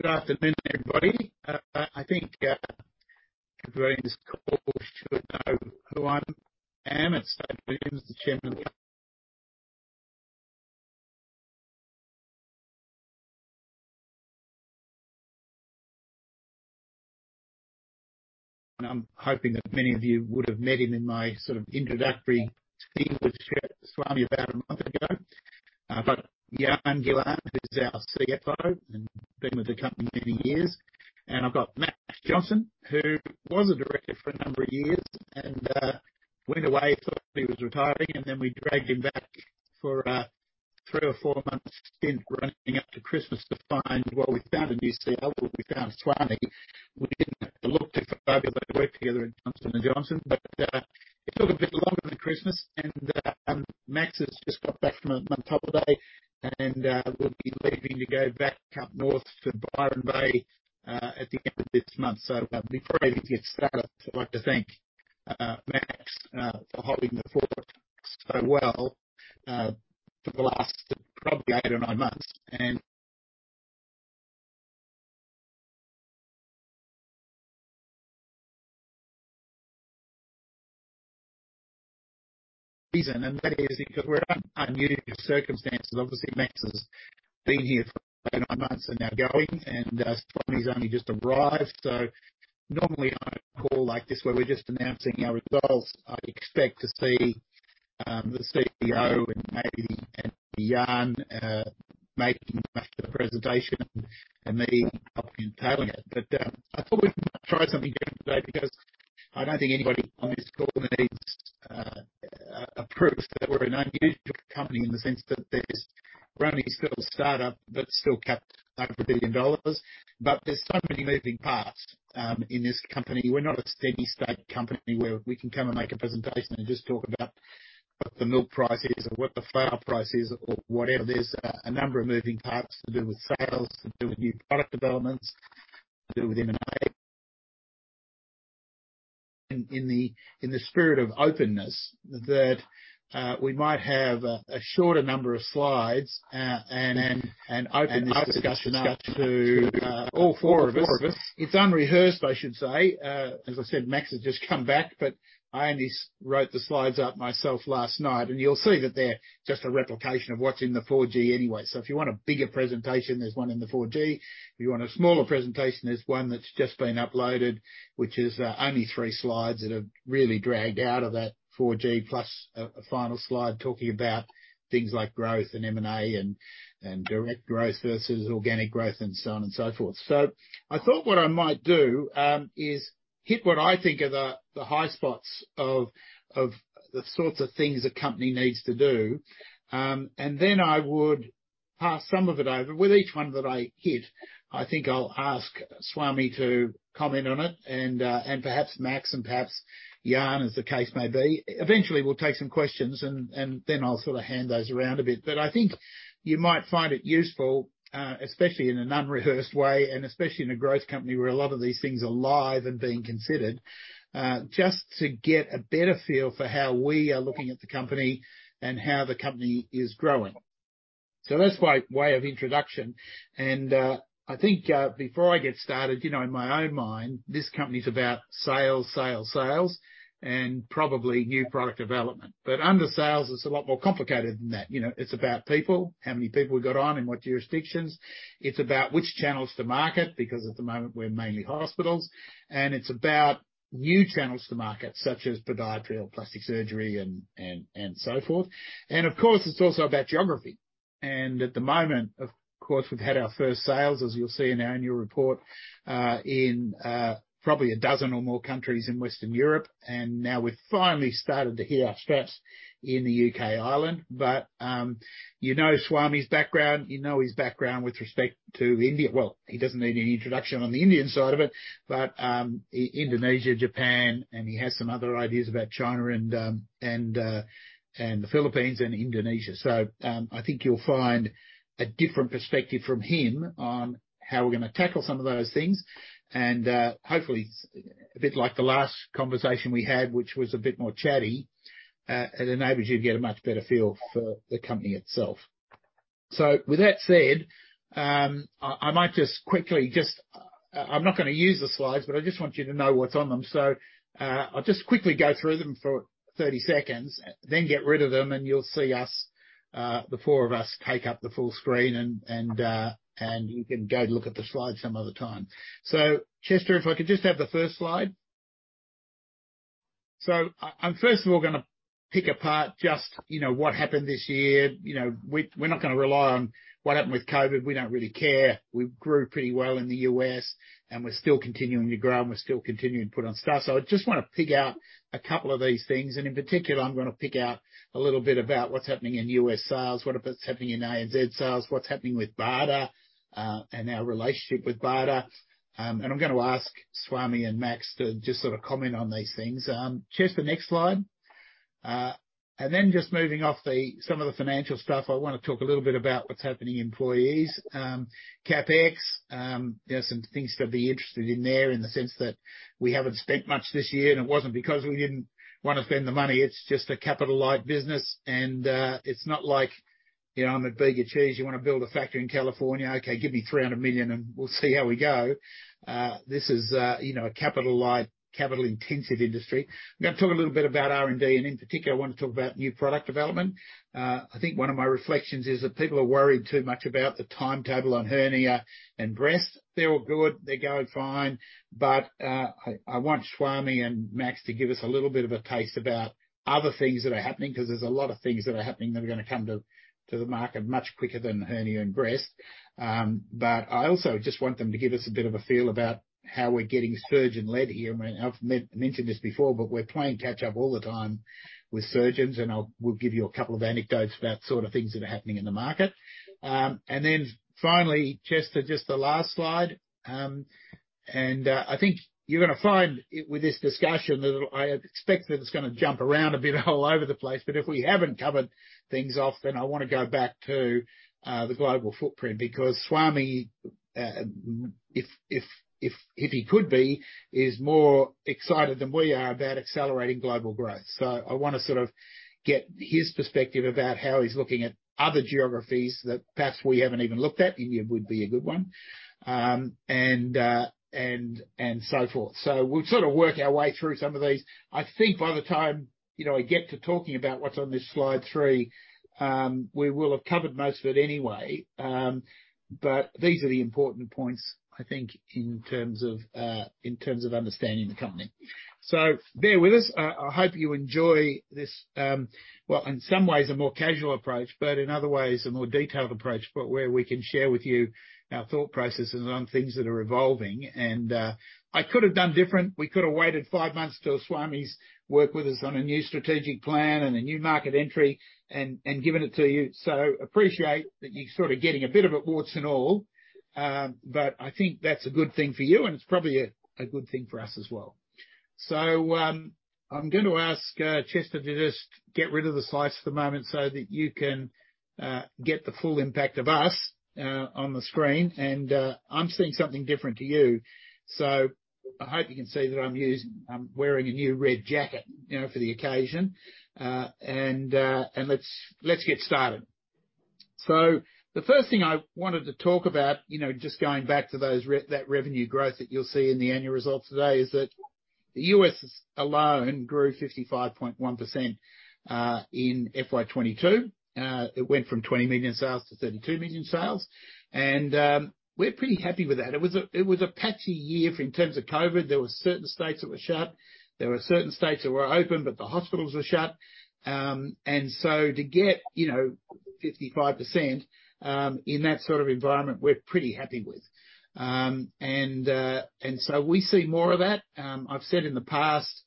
Good afternoon, everybody. I think everyone in this call should know who I am. It's [David] Williams, the Chairman of the... I'm hoping that many of you would have met him in my sort of introductory thing with Swami about a month ago. But Jan Gielen, who's our CFO, and been with the company many years. I've got Max Johnston, who was a director for a number of years, and went away, thought he was retiring, and then we dragged him back for three or four months stint running up to Christmas to find... Well, we found a new CEO. Well, we found Swami. We didn't have to look too far because they worked together at Johnson & Johnson. It took a bit longer than Christmas and Max has just got back from a month holiday and will be leaving to go back up north to Byron Bay at the end of this month. Before anything gets started, I'd like to thank Max for holding the fort so well for the last probably eight or nine months. The reason is because we're in unusual circumstances. Obviously, Max has been here for eight or nine months and now going, and Swami's only just arrived. Normally on a call like this where we're just announcing our results, I expect to see the CEO and maybe Jan making much of the presentation and me helping and tailing it. I thought we'd try something different today because I don't think anybody on this call needs a proof that we're an unusual company in the sense that we're only still a start-up, but still capped over 1 billion dollars. There's so many moving parts in this company. We're not a steady-state company where we can come and make a presentation and just talk about what the milk price is or what the flour price is or whatever. There's a number of moving parts to do with sales, to do with new product developments, to do with M&A. In the spirit of openness that we might have a shorter number of slides and open this discussion up to all four of us. It's unrehearsed, I should say. As I said, Max has just come back, but I only wrote the slides up myself last night, and you'll see that they're just a replication of what's in the four G anyway. If you want a bigger presentation, there's one in the four G. If you want a smaller presentation, there's one that's just been uploaded, which is only three slides that I've really dragged out of that four G, plus a final slide talking about things like growth and M&A and direct growth versus organic growth and so on and so forth. I thought what I might do is hit what I think are the high spots of the sorts of things the company needs to do. Then I would pass some of it over. With each one that I hit, I think I'll ask Swami to comment on it and perhaps Max and perhaps Jan, as the case may be. Eventually, we'll take some questions and then I'll sort of hand those around a bit. I think you might find it useful, especially in an unrehearsed way, and especially in a growth company where a lot of these things are live and being considered, just to get a better feel for how we are looking at the company and how the company is growing. That's my way of introduction and, I think, before I get started, you know, in my own mind, this company's about sales, sales, and probably new product development. Under sales, it's a lot more complicated than that. You know, it's about people, how many people we've got on, in what jurisdictions. It's about which channels to market, because at the moment we're mainly hospitals, and it's about new channels to market, such as podiatry or plastic surgery and so forth. Of course, it's also about geography. At the moment, of course, we've had our first sales, as you'll see in our annual report, in probably a dozen or more countries in Western Europe. Now we've finally started to hit our straps in the U.K. and Ireland. You know Swami's background with respect to India. He doesn't need any introduction on the Indian side of it, but Indonesia, Japan, and he has some other ideas about China and the Philippines and Indonesia. I think you'll find a different perspective from him on how we're gonna tackle some of those things. Hopefully a bit like the last conversation we had, which was a bit more chatty, it enables you to get a much better feel for the company itself. With that said, I might just quickly. I'm not gonna use the slides, but I just want you to know what's on them. I'll just quickly go through them for 30 seconds, then get rid of them and you'll see us, the four of us take up the full screen and you can go look at the slides some other time. Chester, if I could just have the first slide. I'm first of all gonna pick apart just, you know, what happened this year. You know, we're not gonna rely on what happened with COVID. We don't really care. We grew pretty well in the U.S., and we're still continuing to grow, and we're still continuing to put on staff. I just wanna pick out a couple of these things, and in particular I'm gonna pick out a little bit about what's happening in U.S. sales, what's happening in ANZ sales, what's happening with BARDA, and our relationship with BARDA. I'm gonna ask Swami and Max to just sort of comment on these things. Chester, next slide. Just moving off some of the financial stuff, I wanna talk a little bit about what's happening in employees. CapEx, there are some things to be interested in there in the sense that we haven't spent much this year, and it wasn't because we didn't wanna spend the money, it's just a capital-light business and, it's not like you know, I'm at Bega Cheese. You wanna build a factory in California? Okay, give me 300 million and we'll see how we go. This is, you know, a capital light, capital-intensive industry. I'm gonna talk a little bit about R&D, and in particular, I wanna talk about new product development. I think one of my reflections is that people are worried too much about the timetable on hernia and breast. They're all good, they're going fine, but I want Swami and Max to give us a little bit of a taste about other things that are happening, 'cause there's a lot of things that are happening that are gonna come to the market much quicker than hernia and breast. But I also just want them to give us a bit of a feel about how we're getting surgeon-led here. I mean, I've mentioned this before, but we're playing catch up all the time with surgeons, and we'll give you a couple of anecdotes about sort of things that are happening in the market. And then finally, Chester, just the last slide. I think you're gonna find with this discussion that I expect that it's gonna jump around a bit all over the place. If we haven't covered things off, then I wanna go back to the global footprint because Swami if he is more excited than we are about accelerating global growth. I wanna sort of get his perspective about how he's looking at other geographies that perhaps we haven't even looked at. India would be a good one, and so forth. We'll sort of work our way through some of these. I think by the time, you know, I get to talking about what's on this slide three, we will have covered most of it anyway. These are the important points, I think, in terms of understanding the company. Bear with us. I hope you enjoy this, well, in some ways a more casual approach, but in other ways a more detailed approach, but where we can share with you our thought processes on things that are evolving. I could have done different. We could have waited five months till Swami's work with us on a new strategic plan and a new market entry and given it to you. I appreciate that you're sort of getting a bit of it, warts and all. I think that's a good thing for you, and it's probably a good thing for us as well. I'm going to ask Chester to just get rid of the slides for the moment so that you can get the full impact of us on the screen. I'm seeing something different to you, so I hope you can see that I'm wearing a new red jacket, you know, for the occasion. Let's get started. The first thing I wanted to talk about, you know, just going back to that revenue growth that you'll see in the annual results today, is that the U.S. alone grew 55.1%, in FY 2022. It went from 20 million sales to 32 million sales. We're pretty happy with that. It was a patchy year for in terms of COVID. There were certain states that were shut. There were certain states that were open, but the hospitals were shut. To get, you know, 55%, in that sort of environment, we're pretty happy with. We see more of that. I've said in the past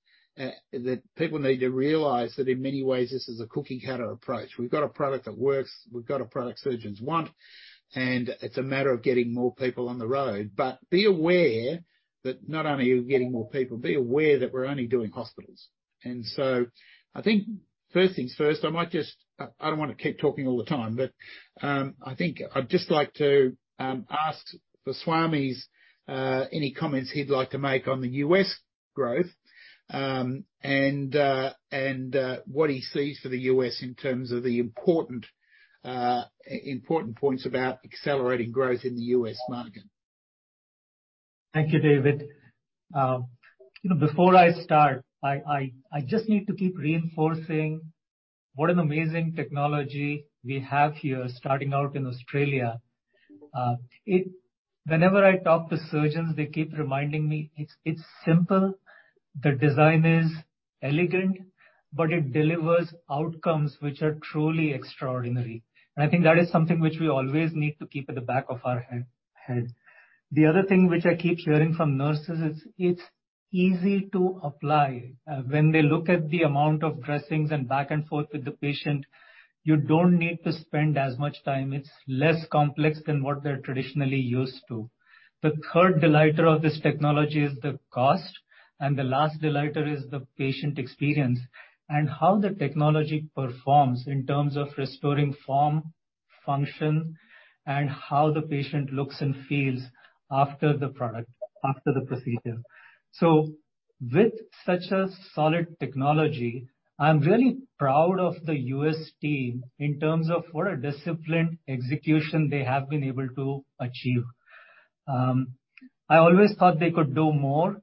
that people need to realize that in many ways this is a cookie cutter approach. We've got a product that works, we've got a product surgeons want, and it's a matter of getting more people on the road. Be aware that not only are we getting more people, be aware that we're only doing hospitals. I think first things first, I don't wanna keep talking all the time, but I think I'd just like to ask for Swami's any comments he'd like to make on the U.S. growth, and what he sees for the U.S. in terms of the important points about accelerating growth in the U.S. market. Thank you, David. You know, before I start, I just need to keep reinforcing what an amazing technology we have here starting out in Australia. Whenever I talk to surgeons, they keep reminding me it's simple, the design is elegant, but it delivers outcomes which are truly extraordinary. I think that is something which we always need to keep at the back of our head. The other thing which I keep hearing from nurses is it's easy to apply. When they look at the amount of dressings and back and forth with the patient, you don't need to spend as much time. It's less complex than what they're traditionally used to. The third delighter of this technology is the cost, and the last delighter is the patient experience and how the technology performs in terms of restoring form, function, and how the patient looks and feels after the product, after the procedure. With such a solid technology, I'm really proud of the U.S. team in terms of what a disciplined execution they have been able to achieve. I always thought they could do more,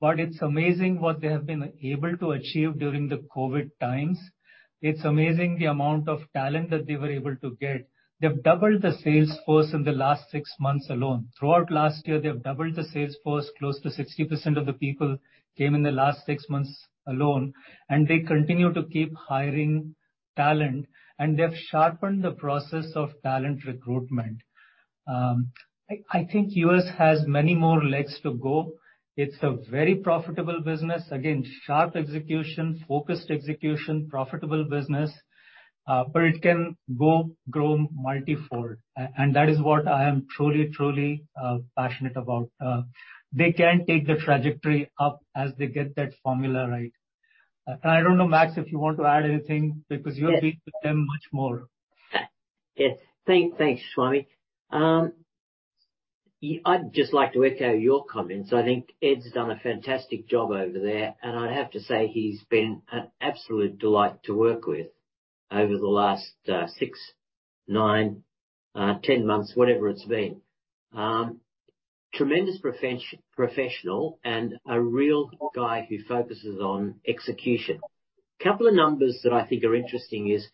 but it's amazing what they have been able to achieve during the COVID times. It's amazing the amount of talent that they were able to get. They've doubled the sales force in the last six months alone. Throughout last year, they've doubled the sales force. Close to 60% of the people came in the last six months alone, and they continue to keep hiring talent, and they've sharpened the process of talent recruitment. I think U.S. has many more legs to go. It's a very profitable business. Again, sharp execution, focused execution, profitable business, but it can grow multifold. That is what I am truly passionate about. They can take the trajectory up as they get that formula right. I don't know, Max, if you want to add anything, because you're- Yes. speaking to them much more. Yes. Thanks, Swami. I'd just like to echo your comments. I think Ed's done a fantastic job over there, and I'd have to say he's been an absolute delight to work with over the last six, nine, 10 months, whatever it's been. Tremendous professional, and a real guy who focuses on execution. Couple of numbers that I think are interesting is,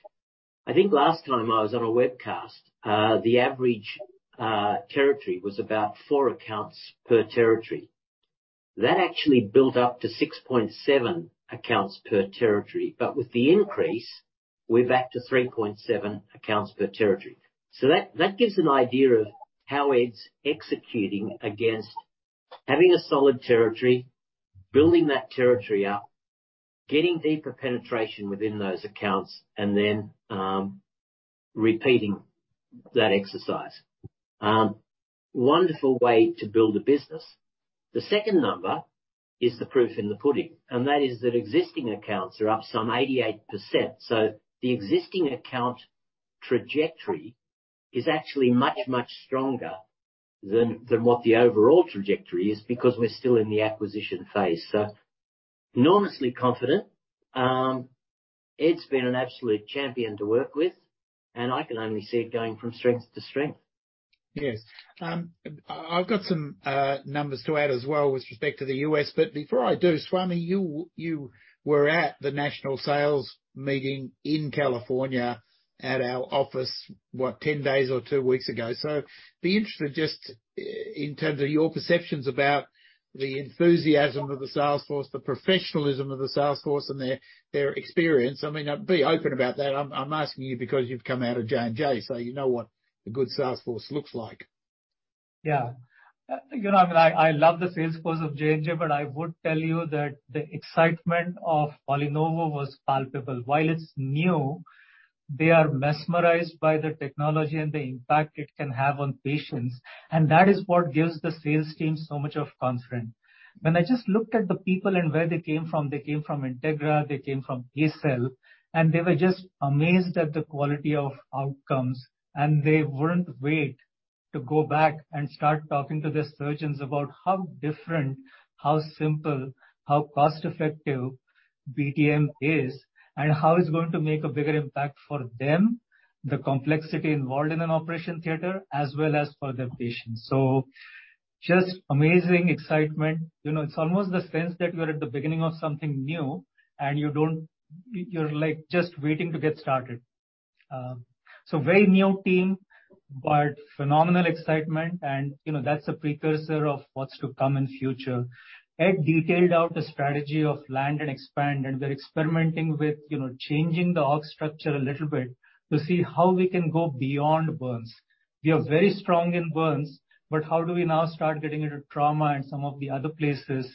I think last time I was on a webcast, the average territory was about four accounts per territory. That actually built up to 6.7 accounts per territory. With the increase, we're back to 3.7 accounts per territory. That gives an idea of how Ed's executing against having a solid territory, building that territory up, getting deeper penetration within those accounts, and then repeating that exercise. Wonderful way to build a business. The second number is the proof in the pudding, and that is that existing accounts are up some 88%. The existing account trajectory is actually much, much stronger than what the overall trajectory is because we're still in the acquisition phase. Enormously confident. Ed's been an absolute champion to work with, and I can only see it going from strength to strength. Yes. I've got some numbers to add as well with respect to the U.S., but before I do, Swami, you were at the national sales meeting in California at our office, what, 10 days or two weeks ago? I'd be interested just in terms of your perceptions about the enthusiasm of the sales force, the professionalism of the sales force and their experience. I mean, be open about that. I'm asking you because you've come out of J&J, so you know what a good sales force looks like. Yeah. You know, I mean, I love the sales force of J&J, but I would tell you that the excitement of PolyNovo was palpable. While it's new, they are mesmerized by the technology and the impact it can have on patients, and that is what gives the sales team so much of confidence. When I just looked at the people and where they came from, they came from Integra, they came from ACell, and they were just amazed at the quality of outcomes. They wouldn't wait to go back and start talking to the surgeons about how different, how simple, how cost-effective BTM is and how it's going to make a bigger impact for them, the complexity involved in an operating theater, as well as for the patient. Just amazing excitement. You know, it's almost the sense that you're at the beginning of something new. You're, like, just waiting to get started. Very new team, but phenomenal excitement. You know, that's a precursor of what's to come in future. Ed detailed out the strategy of land and expand, and we're experimenting with, you know, changing the org structure a little bit to see how we can go beyond burns. We are very strong in burns, but how do we now start getting into trauma and some of the other places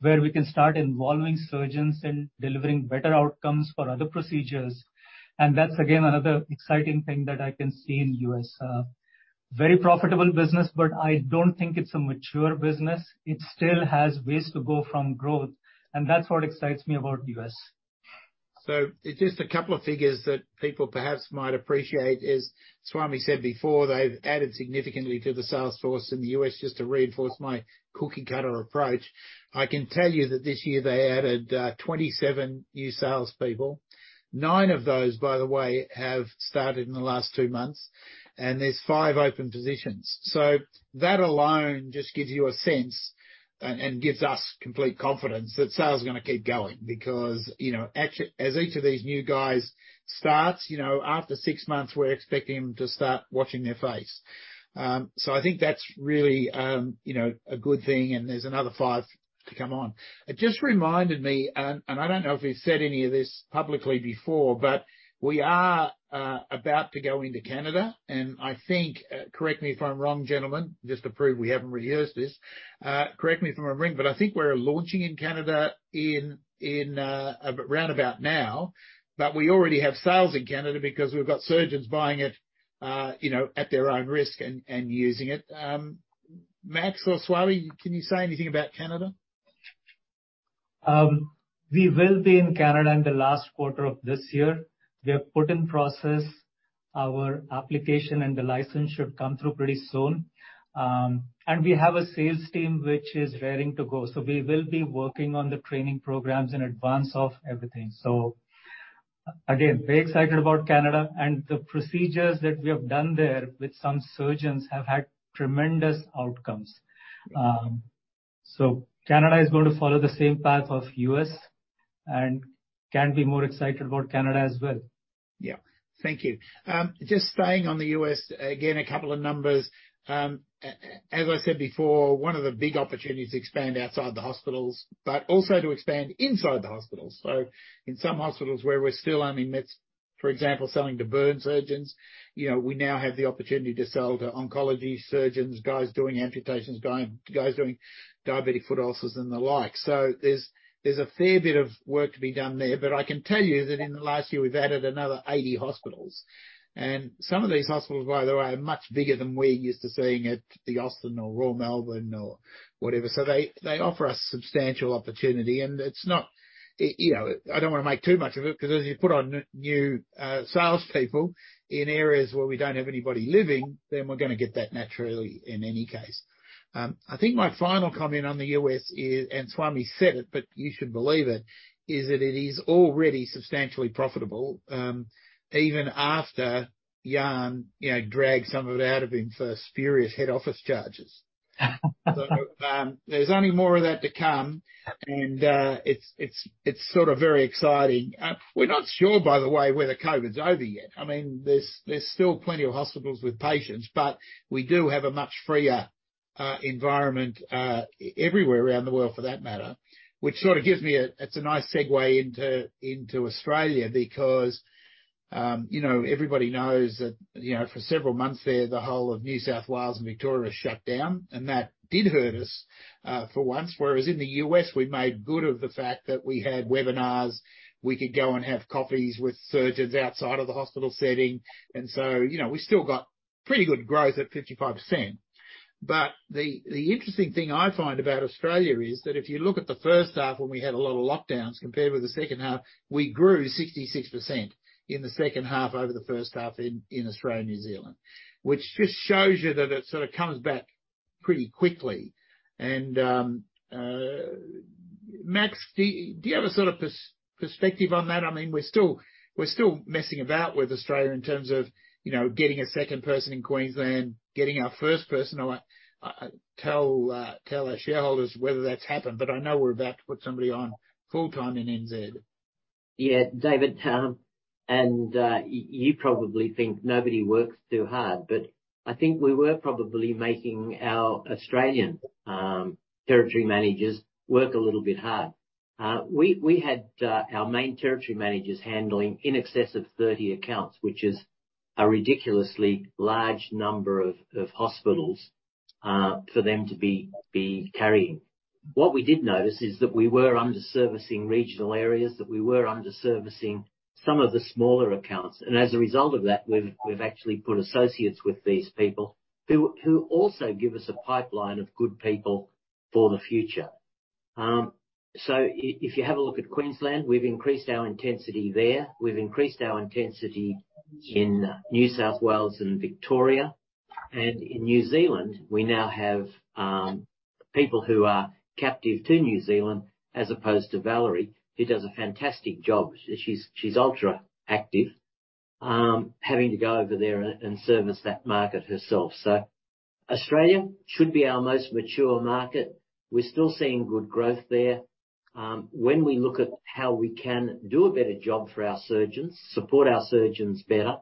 where we can start involving surgeons in delivering better outcomes for other procedures? That's again, another exciting thing that I can see in U.S. Very profitable business, but I don't think it's a mature business. It still has ways to go from growth, and that's what excites me about U.S. Just a couple of figures that people perhaps might appreciate is, Swami said before, they've added significantly to the sales force in the U.S. Just to reinforce my cookie-cutter approach, I can tell you that this year they added 27 new salespeople. Nine of those, by the way, have started in the last two months, and there's five open positions. That alone just gives you a sense and gives us complete confidence that sales are gonna keep going because, you know, as each of these new guys starts, you know, after six months, we're expecting them to start washing their face. I think that's really, you know, a good thing. There's another five to come on. It just reminded me, and I don't know if we've said any of this publicly before, but we are about to go into Canada, and I think correct me if I'm wrong, gentlemen, just to prove we haven't rehearsed this. Correct me if I'm wrong, but I think we're launching in Canada in around about now. We already have sales in Canada because we've got surgeons buying it, you know, at their own risk and using it. Max or Swami, can you say anything about Canada? We will be in Canada in the last quarter of this year. We have put in process our application, and the license should come through pretty soon. We have a sales team which is raring to go. We will be working on the training programs in advance of everything. Again, very excited about Canada. The procedures that we have done there with some surgeons have had tremendous outcomes. Canada is going to follow the same path of U.S., and can't be more excited about Canada as well. Yeah. Thank you. Just staying on the U.S., again, a couple of numbers. As I said before, one of the big opportunities, expand outside the hospitals, but also to expand inside the hospitals. In some hospitals where we're still, for example, selling to burn surgeons, you know, we now have the opportunity to sell to oncology surgeons, guys doing amputations, guys doing diabetic foot ulcers and the like. There's a fair bit of work to be done there. I can tell you that in the last year we've added another 80 hospitals. Some of these hospitals, by the way, are much bigger than we're used to seeing at the Austin or Royal Melbourne or whatever. They offer us substantial opportunity. It's not. You know, I don't want to make too much of it, 'cause as you put on new salespeople in areas where we don't have anybody living, then we're gonna get that naturally in any case. I think my final comment on the U.S. is, and Swami said it, but you should believe it is that it is already substantially profitable, even after Jan dragged some of it out of him for his various head office charges. There's only more of that to come. It's sort of very exciting. We're not sure, by the way, whether COVID's over yet. I mean, there's still plenty of hospitals with patients, but we do have a much freer environment everywhere around the world, for that matter. It's a nice segue into Australia because you know everybody knows that you know for several months there the whole of New South Wales and Victoria shut down and that did hurt us for once. Whereas in the U.S. we made good of the fact that we had webinars we could go and have coffees with surgeons outside of the hospital setting. You know we still got pretty good growth at 55%. The interesting thing I find about Australia is that if you look at the first half when we had a lot of lockdowns compared with the second half we grew 66% in the second half over the first half in Australia and New Zealand which just shows you that it sort of comes back pretty quickly. Max, do you have a sort of perspective on that? I mean, we're still messing about with Australia in terms of, you know, getting a second person in Queensland, getting our first person. I tell our shareholders whether that's happened, but I know we're about to put somebody on full-time in NZ. Yeah, Dave, you probably think nobody works too hard, but I think we were probably making our Australian territory managers work a little bit hard. We had our main territory managers handling in excess of 30 accounts, which is a ridiculously large number of hospitals for them to be carrying. What we did notice is that we were underservicing regional areas, that we were underservicing some of the smaller accounts. As a result of that, we've actually put associates with these people who also give us a pipeline of good people for the future. If you have a look at Queensland, we've increased our intensity there. We've increased our intensity in New South Wales and Victoria. In New Zealand, we now have people who are captive to New Zealand as opposed to Valerie, who does a fantastic job. She's ultra active, having to go over there and service that market herself. Australia should be our most mature market. We're still seeing good growth there. When we look at how we can do a better job for our surgeons, support our surgeons better,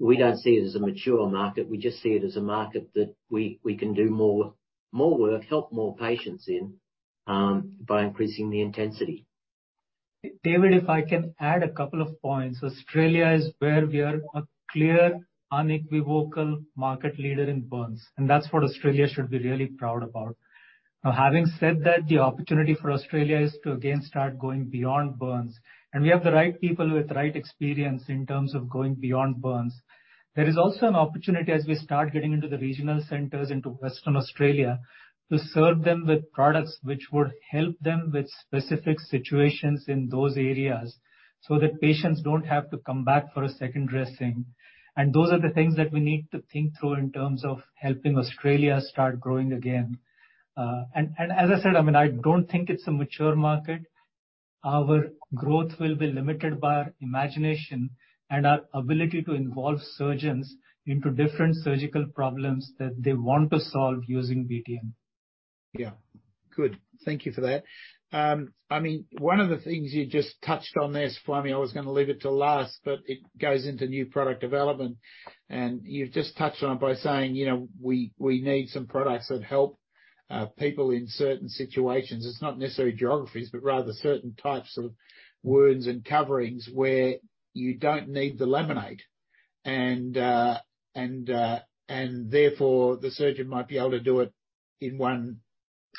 we don't see it as a mature market. We just see it as a market that we can do more work, help more patients in, by increasing the intensity. David, if I can add a couple of points. Australia is where we are a clear, unequivocal market leader in burns, and that's what Australia should be really proud about. Now, having said that, the opportunity for Australia is to again start going beyond burns. We have the right people with the right experience in terms of going beyond burns. There is also an opportunity as we start getting into the regional centers into Western Australia, to serve them with products which would help them with specific situations in those areas so that patients don't have to come back for a second dressing. Those are the things that we need to think through in terms of helping Australia start growing again. As I said, I mean, I don't think it's a mature market. Our growth will be limited by our imagination and our ability to involve surgeons into different surgical problems that they want to solve using BTM. Yeah. Good. Thank you for that. I mean, one of the things you just touched on there, Swami, I was gonna leave it till last, but it goes into new product development, and you've just touched on it by saying, you know, we need some products that help people in certain situations. It's not necessarily geographies, but rather certain types of wounds and coverings where you don't need the laminate. Therefore, the surgeon might be able to do it in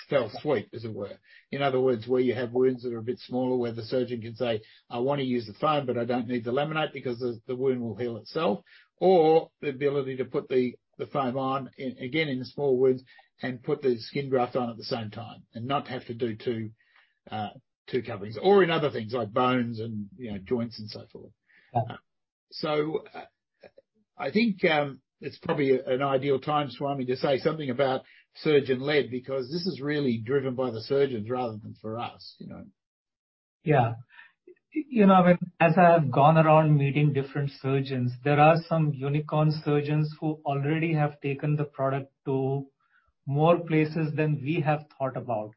one fell swoop, as it were. In other words, where you have wounds that are a bit smaller, where the surgeon can say, "I wanna use the foam, but I don't need the laminate because the wound will heal itself." Or the ability to put the foam on, again, in the small wounds, and put the skin graft on at the same time and not have to do two coverings, or in other things like bones and, you know, joints and so forth. Yeah. I think, it's probably an ideal time, Swami, to say something about surgeon-led, because this is really driven by the surgeons rather than for us, you know? Yeah. You know, as I've gone around meeting different surgeons, there are some unicorn surgeons who already have taken the product to more places than we have thought about.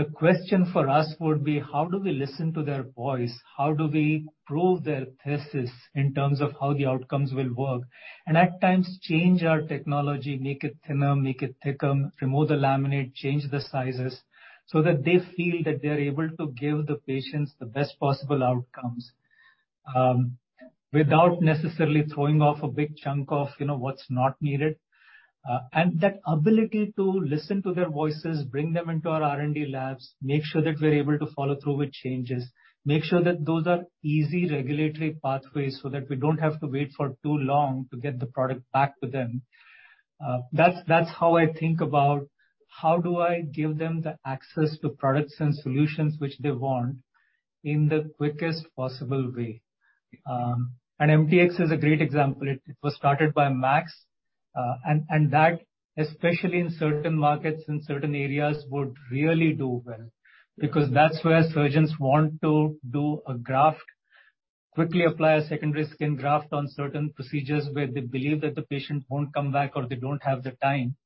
The question for us would be, how do we listen to their voice? How do we prove their thesis in terms of how the outcomes will work? At times change our technology, make it thinner, make it thicker, remove the laminate, change the sizes, so that they feel that they're able to give the patients the best possible outcomes, without necessarily throwing off a big chunk of, you know, what's not needed. That ability to listen to their voices, bring them into our R&D labs, make sure that we're able to follow through with changes, make sure that those are easy regulatory pathways so that we don't have to wait for too long to get the product back to them. That's how I think about how do I give them the access to products and solutions which they want. In the quickest possible way. MTX is a great example. It was started by Max and that, especially in certain markets, in certain areas, would really do well, because that's where surgeons want to do a graft, quickly apply a secondary skin graft on certain procedures where they believe that the patient won't come back or they don't have the time,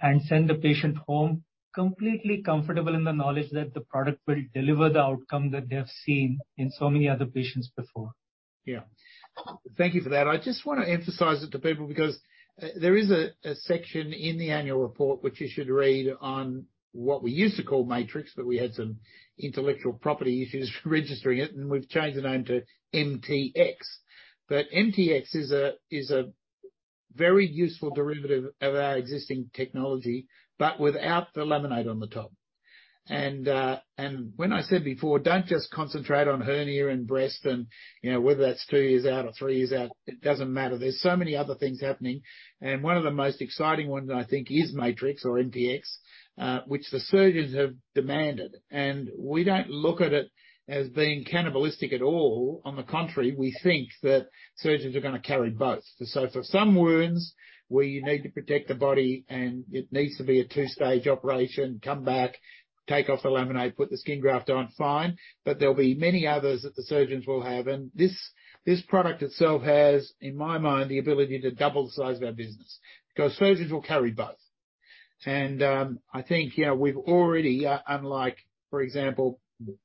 and send the patient home completely comfortable in the knowledge that the product will deliver the outcome that they have seen in so many other patients before. Yeah. Thank you for that. I just wanna emphasize it to people because there is a section in the annual report which you should read on what we used to call Matrix, but we had some intellectual property issues registering it, and we've changed the name to MTX. MTX is a very useful derivative of our existing technology, but without the laminate on the top. When I said before, don't just concentrate on hernia and breast and, you know, whether that's two years out or three years out, it doesn't matter. There's so many other things happening, and one of the most exciting ones, I think, is Matrix or MTX, which the surgeons have demanded. We don't look at it as being cannibalistic at all. On the contrary, we think that surgeons are gonna carry both. For some wounds, where you need to protect the body and it needs to be a two-stage operation, come back, take off the laminate, put the skin graft on, fine. There'll be many others that the surgeons will have. This product itself has, in my mind, the ability to double the size of our business. 'Cause surgeons will carry both. I think, you know, we've already, unlike, for example,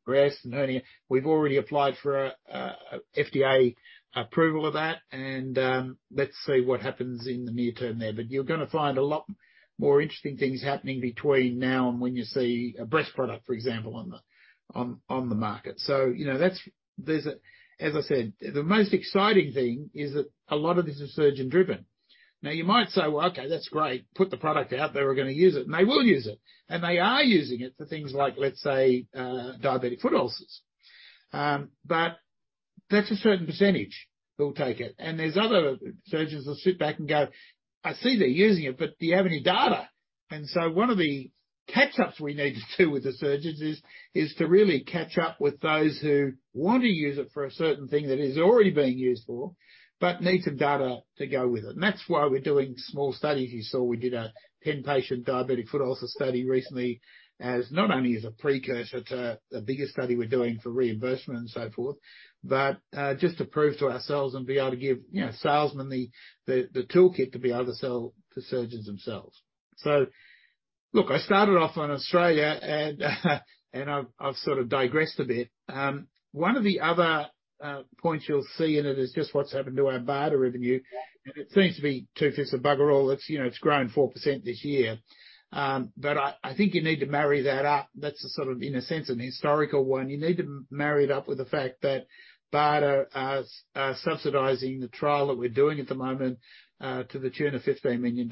breast and hernia, we've already applied for a FDA approval of that, and let's see what happens in the near term there. You're gonna find a lot more interesting things happening between now and when you see a breast product, for example, on the market. You know, as I said, the most exciting thing is that a lot of this is surgeon-driven. Now, you might say, "Well, okay, that's great. Put the product out there, we're gonna use it." They will use it, and they are using it for things like, let's say, diabetic foot ulcers. That's a certain percentage who'll take it. There's other surgeons that sit back and go, "I see they're using it, but do you have any data?" One of the catch-ups we need to do with the surgeons is to really catch up with those who want to use it for a certain thing that it is already being used for, but need some data to go with it. That's why we're doing small studies. You saw we did a 10-patient diabetic foot ulcer study recently as not only a precursor to a bigger study we're doing for reimbursement and so forth, but just to prove to ourselves and be able to give, you know, salesmen the toolkit to be able to sell to surgeons themselves. Look, I started off on Australia and I've sort of digressed a bit. One of the other points you'll see in it is just what's happened to our BARDA revenue. It seems to be two-fifths of bugger all. It's, you know, it's grown 4% this year. I think you need to marry that up. That's a sort of, in a sense, an historical one. You need to marry it up with the fact that BARDA are subsidizing the trial that we're doing at the moment to the tune of $15 million.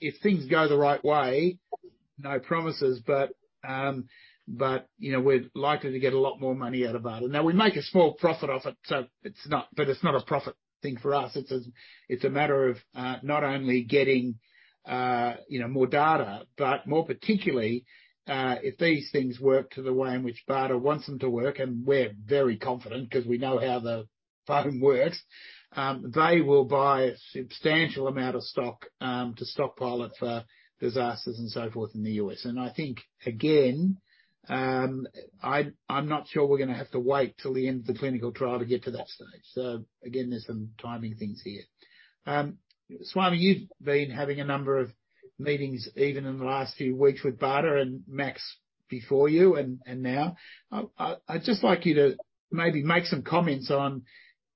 If things go the right way, no promises, but you know, we're likely to get a lot more money out of BARDA. Now, we make a small profit off it, so it's not a profit thing for us. It's a matter of not only getting, you know, more data, but more particularly, if these things work to the way in which BARDA wants them to work, and we're very confident because we know how the BTM works, they will buy a substantial amount of stock to stockpile it for disasters and so forth in the U.S. I think, again, I'm not sure we're gonna have to wait till the end of the clinical trial to get to that stage. Again, there's some timing things here. Swami, you've been having a number of meetings, even in the last few weeks, with BARDA and Max before you and now. I'd just like you to maybe make some comments on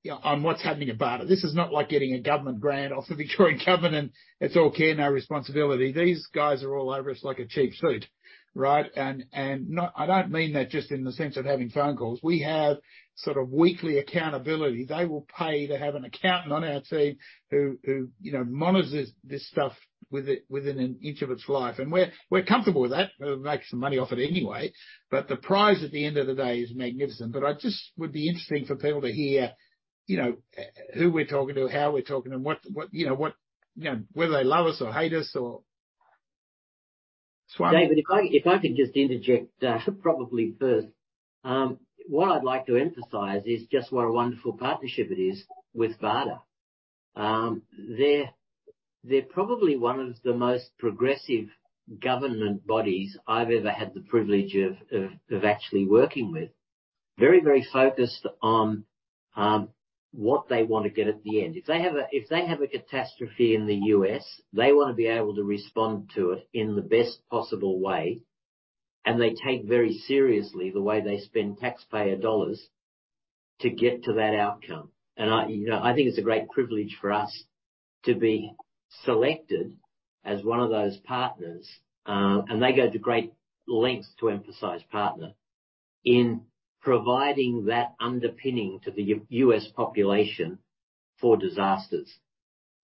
what's happening at BARDA. This is not like getting a government grant off the Victorian government. It's all care, no responsibility. These guys are all over us like a cheap suit, right? I don't mean that just in the sense of having phone calls. We have sort of weekly accountability. They will pay to have an accountant on our team who, you know, monitors this stuff with it, within an inch of its life. We're comfortable with that. We'll make some money off it anyway. The prize at the end of the day is magnificent. I'd just would be interesting for people to hear, you know, who we're talking to, how we're talking, and what, you know, what, you know, whether they love us or hate us or Swami. David, if I could just interject, probably first. What I'd like to emphasize is just what a wonderful partnership it is with BARDA. They're probably one of the most progressive government bodies I've ever had the privilege of actually working with. Very focused on what they want to get at the end. If they have a catastrophe in the U.S., they wanna be able to respond to it in the best possible way, and they take very seriously the way they spend taxpayer dollars to get to that outcome. I, you know, I think it's a great privilege for us to be selected as one of those partners, and they go to great lengths to emphasize partner, in providing that underpinning to the U.S. population for disasters.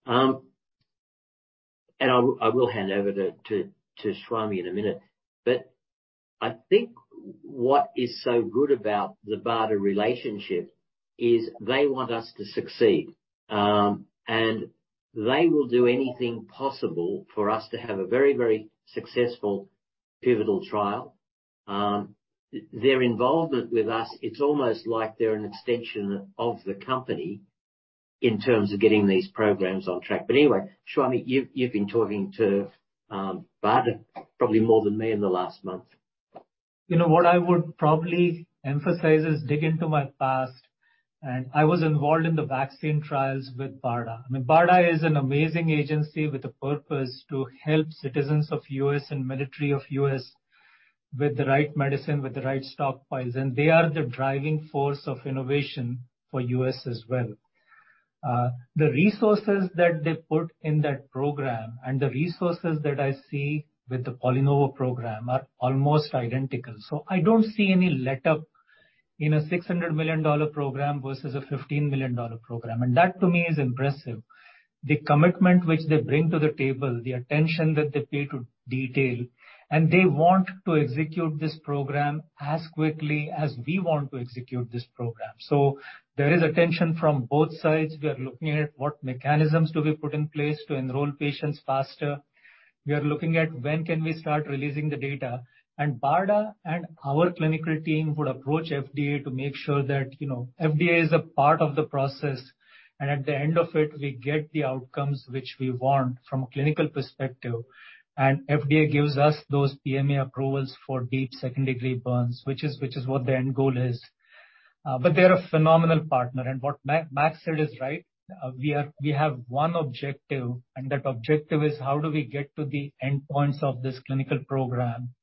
I will hand over to Swami in a minute. I think what is so good about the BARDA relationship. As they want us to succeed. They will do anything possible for us to have a very, very successful pivotal trial. Their involvement with us, it's almost like they're an extension of the company in terms of getting these programs on track. Anyway, Swami, you've been talking to BARDA probably more than me in the last month. You know, what I would probably emphasize is dig into my past, and I was involved in the vaccine trials with BARDA. I mean, BARDA is an amazing agency with a purpose to help citizens of U.S. and military of U.S. with the right medicine, with the right stockpiles, and they are the driving force of innovation for U.S. as well. The resources that they put in that program and the resources that I see with the PolyNovo program are almost identical. I don't see any letup in a $600 million program versus a $15 million program. That to me is impressive. The commitment which they bring to the table, the attention that they pay to detail, and they want to execute this program as quickly as we want to execute this program. There is attention from both sides. We are looking at what mechanisms to be put in place to enroll patients faster. We are looking at when can we start releasing the data. BARDA and our clinical team would approach FDA to make sure that, you know, FDA is a part of the process, and at the end of it, we get the outcomes which we want from a clinical perspective. FDA gives us those PMA approvals for deep second-degree burns, which is what the end goal is. They're a phenomenal partner. What Max said is right. We have one objective, and that objective is how do we get to the endpoints of this clinical program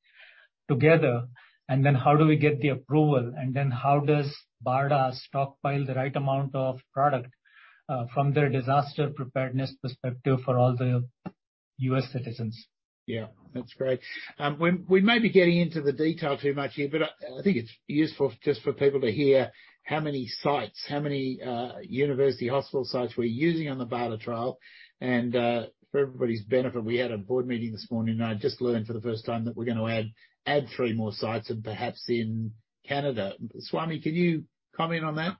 together, and then how do we get the approval, and then how does BARDA stockpile the right amount of product, from their disaster preparedness perspective for all the U.S. citizens. Yeah, that's great. We may be getting into the detail too much here, but I think it's useful just for people to hear how many sites, how many university hospital sites we're using on the BARDA trial. For everybody's benefit, we had a board meeting this morning, and I just learned for the first time that we're gonna add three more sites and perhaps in Canada. Swami, can you comment on that?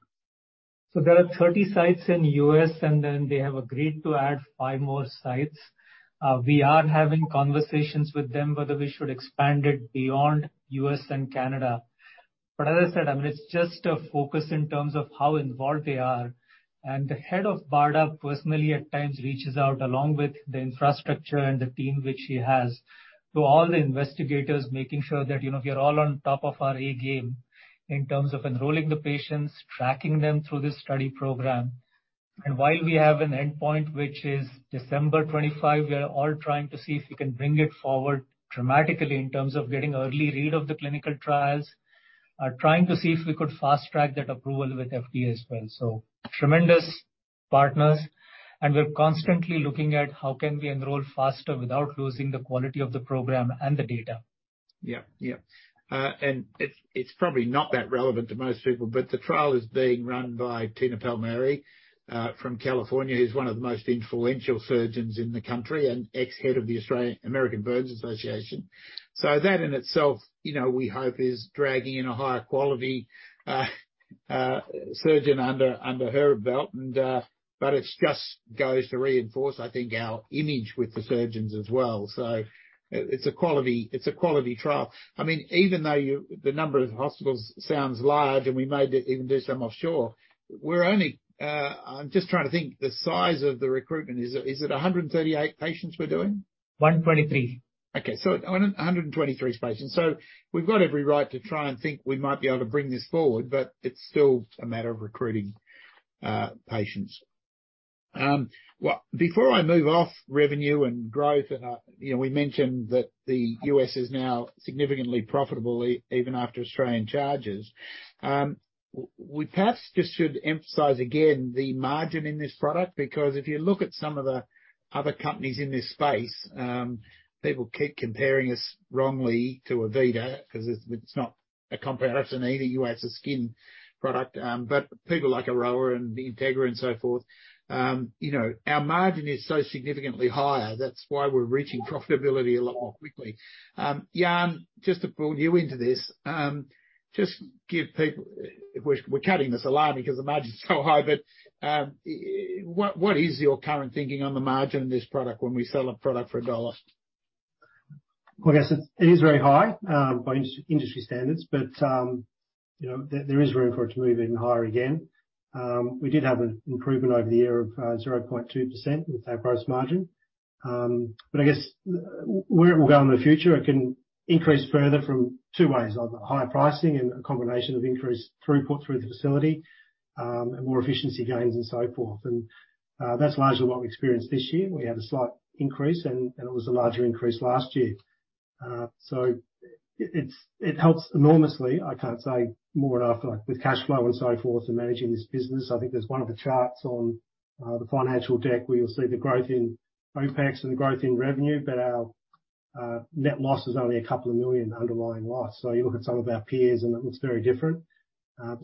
There are 30 sites in U.S., and then they have agreed to add five more sites. We are having conversations with them, whether we should expand it beyond U.S. and Canada. As I said, I mean, it's just a focus in terms of how involved they are. The head of BARDA personally at times reaches out along with the infrastructure and the team which he has, to all the investigators, making sure that, you know, we are all on top of our A game in terms of enrolling the patients, tracking them through this study program. While we have an endpoint, which is December 25, we are all trying to see if we can bring it forward dramatically in terms of getting early read of the clinical trials, trying to see if we could fast-track that approval with FDA as well. Tremendous partners, and we're constantly looking at how can we enroll faster without losing the quality of the program and the data. Yeah. Yeah. It's probably not that relevant to most people, but the trial is being run by Tina Palmieri from California, who's one of the most influential surgeons in the country and ex-head of the American Burn Association. That in itself, you know, we hope is dragging in a higher quality surgeon under her belt. It just goes to reinforce, I think, our image with the surgeons as well. It's a quality trial. I mean, even though the number of hospitals sounds large, and we may even do some offshore, we're only. I'm just trying to think the size of the recruitment. Is it 138 patients we're doing? 123. Okay. 123 patients. We've got every right to try and think we might be able to bring this forward, but it's still a matter of recruiting patients. Well, before I move off revenue and growth, and you know, we mentioned that the U.S. is now significantly profitable even after Australian charges, we perhaps just should emphasize again the margin in this product, because if you look at some of the other companies in this space, people keep comparing us wrongly to Avita 'cause it's not a comparison either. You have a skin product, but people like Aroa and Integra and so forth. You know, our margin is so significantly higher. That's why we're reaching profitability a lot more quickly. Jan, just to pull you into this, just give people... We're cutting this R&D because the margin's so high, but what is your current thinking on the margin of this product when we sell a product for AUD 1? I guess it is very high by industry standards, but you know, there is room for it to move even higher again. We did have an improvement over the year of 0.2% with our gross margin. I guess where it will go in the future, it can increase further in two ways, either higher pricing and a combination of increased throughput through the facility, and more efficiency gains and so forth. That's largely what we experienced this year. We had a slight increase, and it was a larger increase last year. It helps enormously. I can't say enough, like, with cash flow and so forth and managing this business. I think there's one of the charts on the financial deck where you'll see the growth in OpEx and the growth in revenue, but our net loss is only 2 million underlying loss. You look at some of our peers, and it looks very different.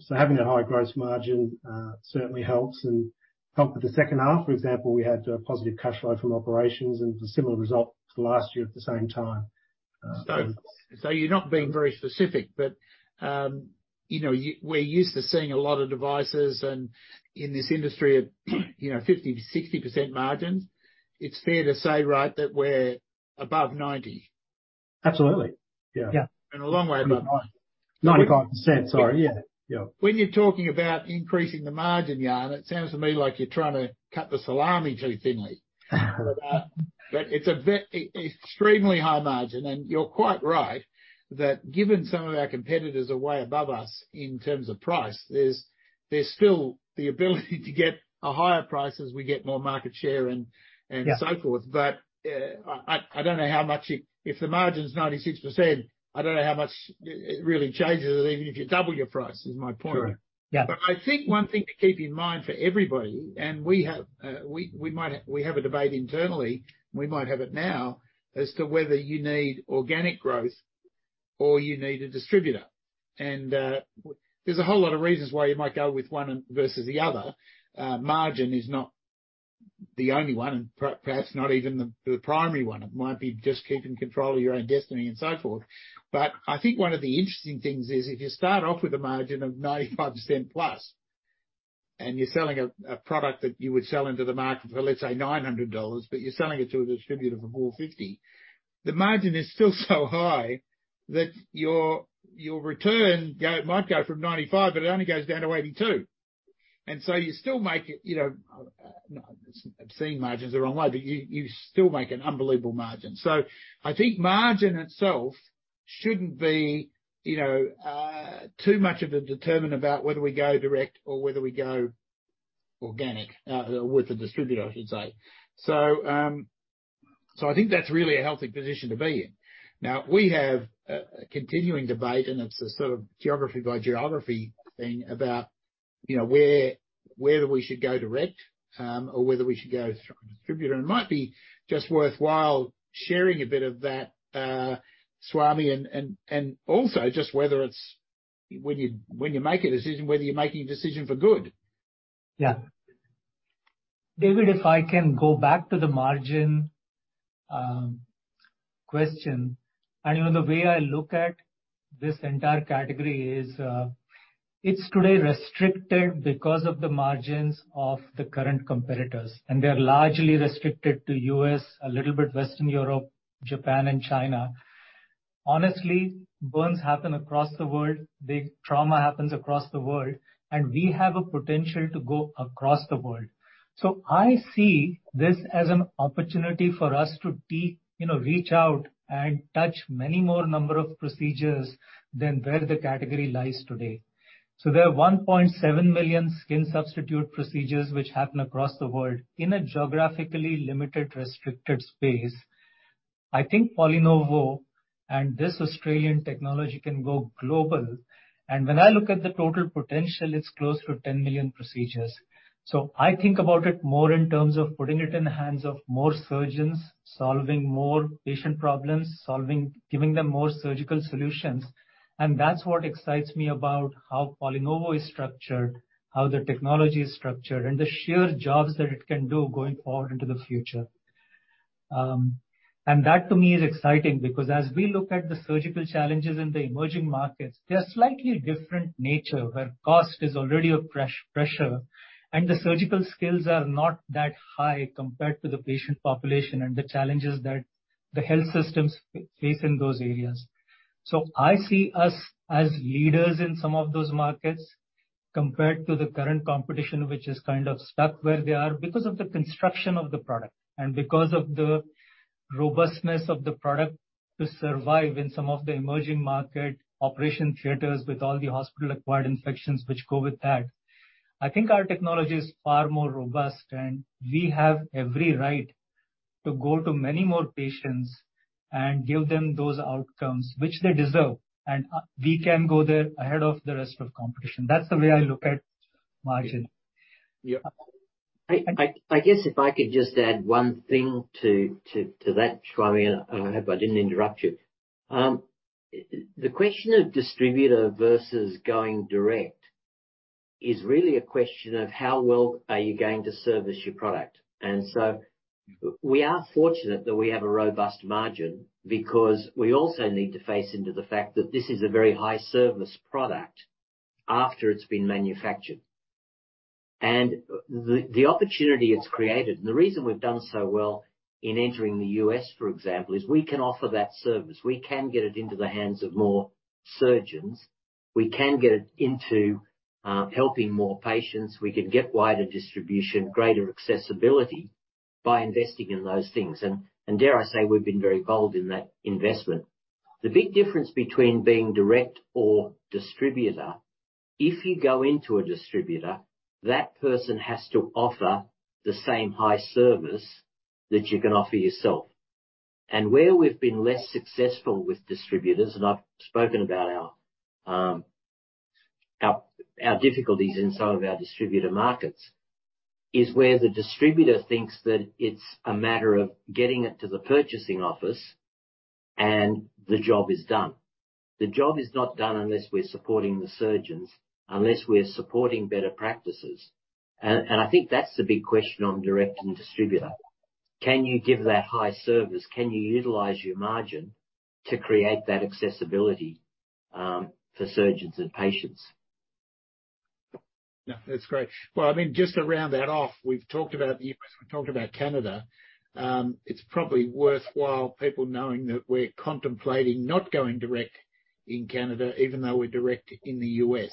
Having a high gross margin certainly helps and helped with the second half. For example, we had a positive cash flow from operations and a similar result to last year at the same time. You're not being very specific, but you know, we're used to seeing a lot of devices and in this industry of, you know, 50%-60% margins, it's fair to say, right, that we're above 90%? Absolutely. Yeah. Yeah. A long way above 90. 95%. Sorry, yeah. Yeah. When you're talking about increasing the margin, Jan, it sounds to me like you're trying to cut the salami too thinly. But it's a very, extremely high margin, and you're quite right that given some of our competitors are way above us in terms of price, there's still the ability to get a higher price as we get more market share and so forth. Yeah. If the margin's 96%, I don't know how much it really changes it, even if you double your price, is my point. Sure. Yeah. I think one thing to keep in mind for everybody, and we have a debate internally, and we might have it now, as to whether you need organic growth or you need a distributor. There's a whole lot of reasons why you might go with one versus the other. Margin is not the only one, and perhaps not even the primary one. It might be just keeping control of your own destiny and so forth. I think one of the interesting things is if you start off with a margin of 95%+ and you're selling a product that you would sell into the market for, let's say, 900 dollars, but you're selling it to a distributor for 450, the margin is still so high that your return might go from 95%, but it only goes down to 82%. You still make it, you know, obscene margins all along the way, but you still make an unbelievable margin. I think margin itself shouldn't be, you know, too much of a determinant about whether we go direct or whether we go organic with the distributor, I should say. I think that's really a healthy position to be in. Now, we have a continuing debate, and it's a sort of geography by geography thing about, you know, where, whether we should go direct, or whether we should go through a distributor. It might be just worthwhile sharing a bit of that, Swami, and also just whether it's when you make a decision, whether you're making a decision for good. Yeah. David, if I can go back to the margin question. You know, the way I look at this entire category is, it's today restricted because of the margins of the current competitors, and they're largely restricted to U.S., a little bit Western Europe, Japan and China. Honestly, burns happen across the world, big trauma happens across the world, and we have a potential to go across the world. I see this as an opportunity for us to be, you know, reach out and touch many more number of procedures than where the category lies today. There are 1.7 million skin substitute procedures which happen across the world in a geographically limited, restricted space. I think PolyNovo and this Australian technology can go global. When I look at the total potential, it's close to 10 million procedures. I think about it more in terms of putting it in the hands of more surgeons, solving more patient problems, giving them more surgical solutions. That's what excites me about how PolyNovo is structured, how the technology is structured, and the sheer jobs that it can do going forward into the future. That to me is exciting because as we look at the surgical challenges in the emerging markets, they're slightly different nature, where cost is already a pressure and the surgical skills are not that high compared to the patient population and the challenges that the health systems face in those areas. I see us as leaders in some of those markets compared to the current competition, which is kind of stuck where they are because of the construction of the product and because of the robustness of the product to survive in some of the emerging market operating theaters with all the hospital-acquired infections which go with that. I think our technology is far more robust, and we have every right to go to many more patients and give them those outcomes which they deserve. We can go there ahead of the rest of the competition. That's the way I look at margin. Yeah. I guess if I could just add one thing to that, Swami. I hope I didn't interrupt you. The question of distributor versus going direct is really a question of how well are you going to service your product. We are fortunate that we have a robust margin because we also need to face into the fact that this is a very high service product after it's been manufactured. The opportunity it's created, and the reason we've done so well in entering the U.S., for example, is we can offer that service. We can get it into the hands of more surgeons. We can get it into helping more patients. We can get wider distribution, greater accessibility by investing in those things. Dare I say, we've been very bold in that investment. The big difference between being direct or distributor, if you go into a distributor, that person has to offer the same high service that you can offer yourself. Where we've been less successful with distributors, and I've spoken about our difficulties in some of our distributor markets, is where the distributor thinks that it's a matter of getting it to the purchasing office and the job is done. The job is not done unless we're supporting the surgeons, unless we're supporting better practices. I think that's the big question on direct and distributor. Can you give that high service? Can you utilize your margin to create that accessibility for surgeons and patients? Yeah, that's great. Well, I mean, just to round that off, we've talked about the U.S., we've talked about Canada. It's probably worthwhile people knowing that we're contemplating not going direct in Canada, even though we're direct in the U.S.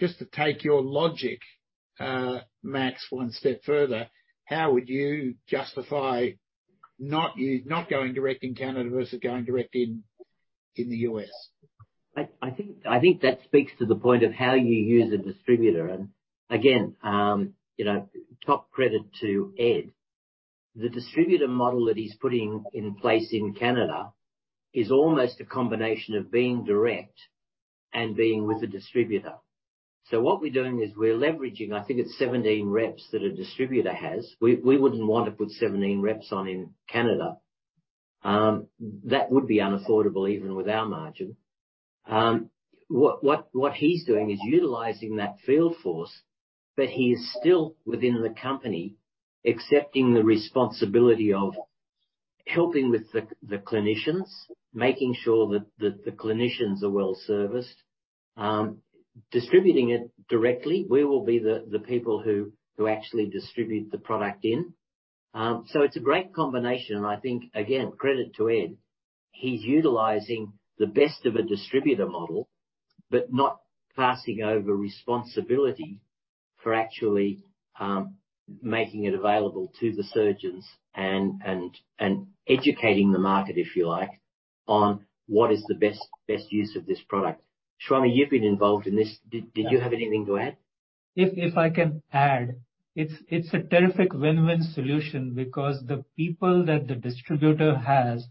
Just to take your logic, Max, one step further, how would you justify not going direct in Canada versus going direct in the U.S.? I think that speaks to the point of how you use a distributor. Again, you know, top credit to Ed. The distributor model that he's putting in place in Canada is almost a combination of being direct and being with the distributor. What we're doing is we're leveraging, I think it's 17 reps that a distributor has. We wouldn't want to put 17 reps on in Canada. That would be unaffordable even with our margin. What he's doing is utilizing that field force, but he is still within the company accepting the responsibility of helping with the clinicians, making sure that the clinicians are well-serviced, distributing it directly. We will be the people who actually distribute the product in. It's a great combination and I think again, credit to Ed. He's utilizing the best of a distributor model, but not passing over responsibility for actually making it available to the surgeons and educating the market, if you like, on what is the best use of this product. Swami, you've been involved in this. Did you have anything to add? If I can add. It's a terrific win-win solution because the people that the distributor has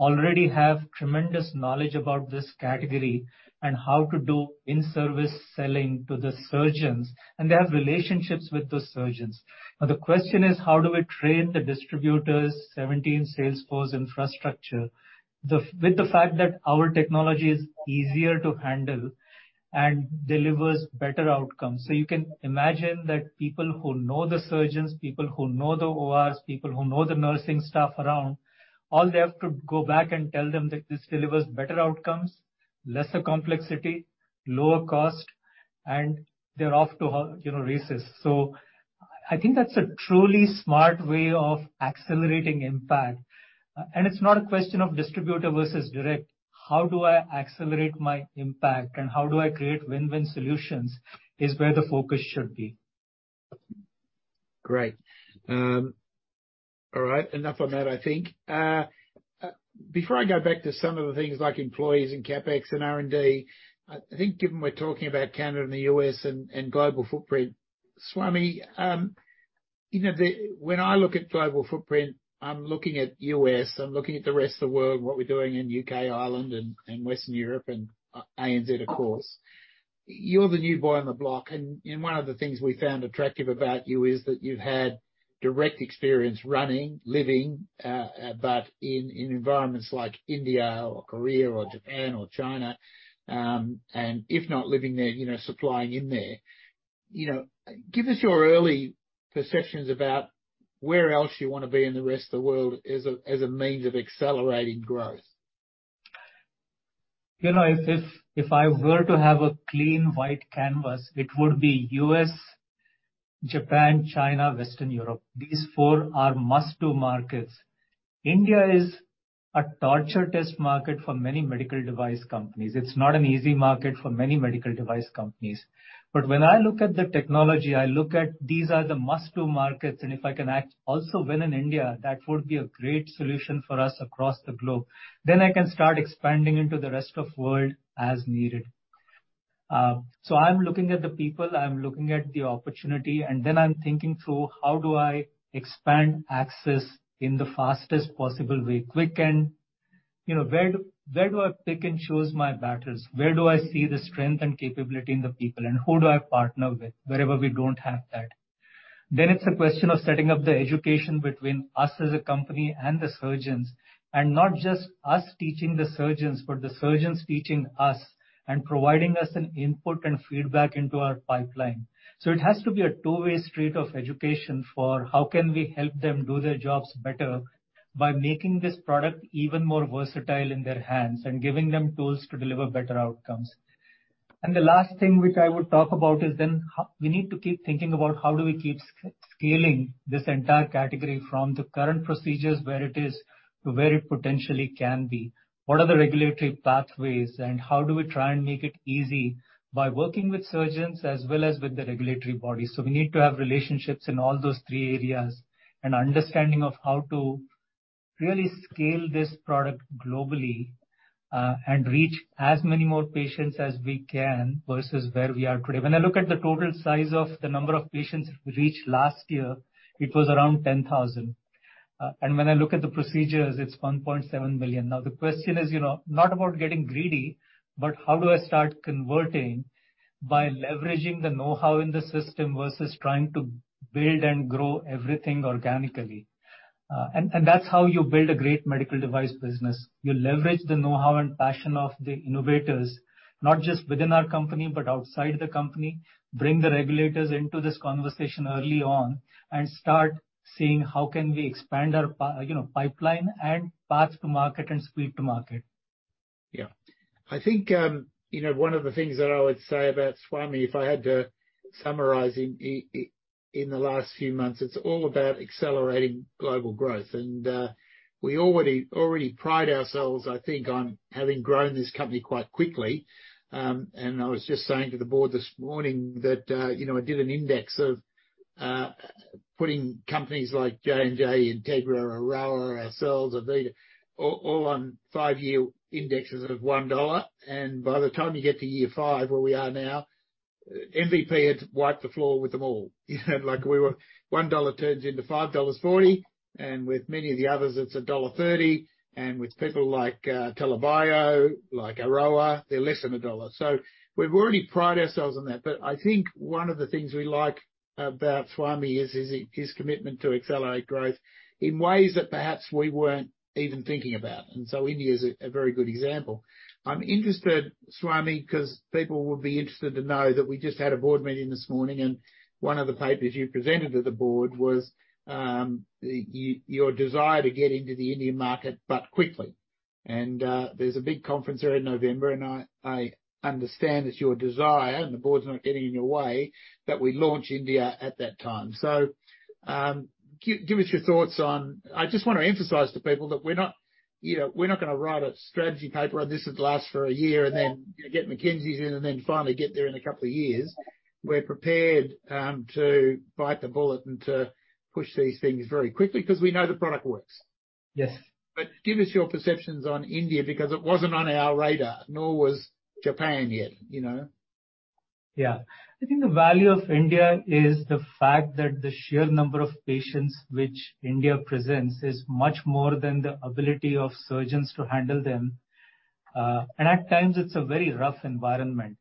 already have tremendous knowledge about this category and how to do in-service selling to the surgeons, and they have relationships with those surgeons. Now the question is how do we train the distributors' 17 salesforce infrastructure with the fact that our technology is easier to handle and delivers better outcomes. You can imagine that people who know the surgeons, people who know the ORs, people who know the nursing staff around, all they have to go back and tell them that this delivers better outcomes, lesser complexity, lower cost, and they're off to the races. I think that's a truly smart way of accelerating impact. It's not a question of distributor versus direct. How do I accelerate my impact and how do I create win-win solutions, is where the focus should be. Great. All right. Enough on that, I think. Before I go back to some of the things like employees and CapEx and R&D, I think given we're talking about Canada and the U.S. And global footprint, Swami, you know, when I look at global footprint, I'm looking at U.S., I'm looking at the rest of the world, what we're doing in U.K., Ireland and Western Europe and ANZ of course. You're the new boy on the block, and one of the things we found attractive about you is that you've had direct experience running, living, but in environments like India or Korea or Japan or China, and if not living there, you know, supplying in there. You know, give us your early perceptions about where else you wanna be in the rest of the world as a means of accelerating growth. You know, if I were to have a clean white canvas, it would be U.S., Japan, China, Western Europe. These four are must-do markets. India is a torture test market for many medical device companies. It's not an easy market for many medical device companies. When I look at the technology, I look at these are the must-do markets, and if I can also win in India, that would be a great solution for us across the globe. I can start expanding into the rest of world as needed. So I'm looking at the people, I'm looking at the opportunity, and then I'm thinking through how do I expand access in the fastest possible way. You know, where do I pick and choose my battles? Where do I see the strength and capability in the people, and who do I partner with wherever we don't have that? It's a question of setting up the education between us as a company and the surgeons, and not just us teaching the surgeons, but the surgeons teaching us and providing us an input and feedback into our pipeline. It has to be a two-way street of education for how can we help them do their jobs better by making this product even more versatile in their hands and giving them tools to deliver better outcomes. The last thing which I would talk about is then we need to keep thinking about how do we keep scaling this entire category from the current procedures where it is to where it potentially can be. What are the regulatory pathways and how do we try and make it easy by working with surgeons as well as with the regulatory bodies? We need to have relationships in all those three areas and understanding of how to really scale this product globally, and reach as many more patients as we can versus where we are today. When I look at the total size of the number of patients we reached last year, it was around 10,000. And when I look at the procedures, it's 1.7 million. Now the question is, you know, not about getting greedy, but how do I start converting by leveraging the know-how in the system versus trying to build and grow everything organically. And that's how you build a great medical device business. You leverage the know-how and passion of the innovators, not just within our company, but outside the company, bring the regulators into this conversation early on, and start seeing how can we expand our pipeline and path to market and speed to market. Yeah. I think, you know, one of the things that I would say about Swami, if I had to summarize in the last few months, it's all about accelerating global growth, and we already pride ourselves, I think, on having grown this company quite quickly. I was just saying to the board this morning that, you know, I did an index of putting companies like J&J, Integra, Aroa, ourselves, Avita, all on five-year indexes of 1 dollar. By the time you get to year five, where we are now, PNV had wiped the floor with them all. You know, like we were 1 dollar turns into 5.40 dollars, and with many of the others it's dollar 1.30, and with people like TELA Bio, like Aroa, they're less than AUD 1. We've already prided ourselves on that. I think one of the things we like about Swami is his commitment to accelerate growth in ways that perhaps we weren't even thinking about. India is a very good example. I'm interested, Swami, 'cause people would be interested to know that we just had a board meeting this morning, and one of the papers you presented to the board was your desire to get into the Indian market, but quickly. There's a big conference there in November, and I understand it's your desire, and the board's not getting in your way, that we launch India at that time. Give us your thoughts on... I just wanna emphasize to people that we're not, you know, we're not gonna write a strategy paper and this will last for a year and then, you know, get McKinsey's in and then finally get there in a couple of years. We're prepared to bite the bullet and to push these things very quickly because we know the product works. Yes. Give us your perceptions on India, because it wasn't on our radar, nor was Japan yet, you know? Yeah. I think the value of India is the fact that the sheer number of patients which India presents is much more than the ability of surgeons to handle them. At times it's a very rough environment.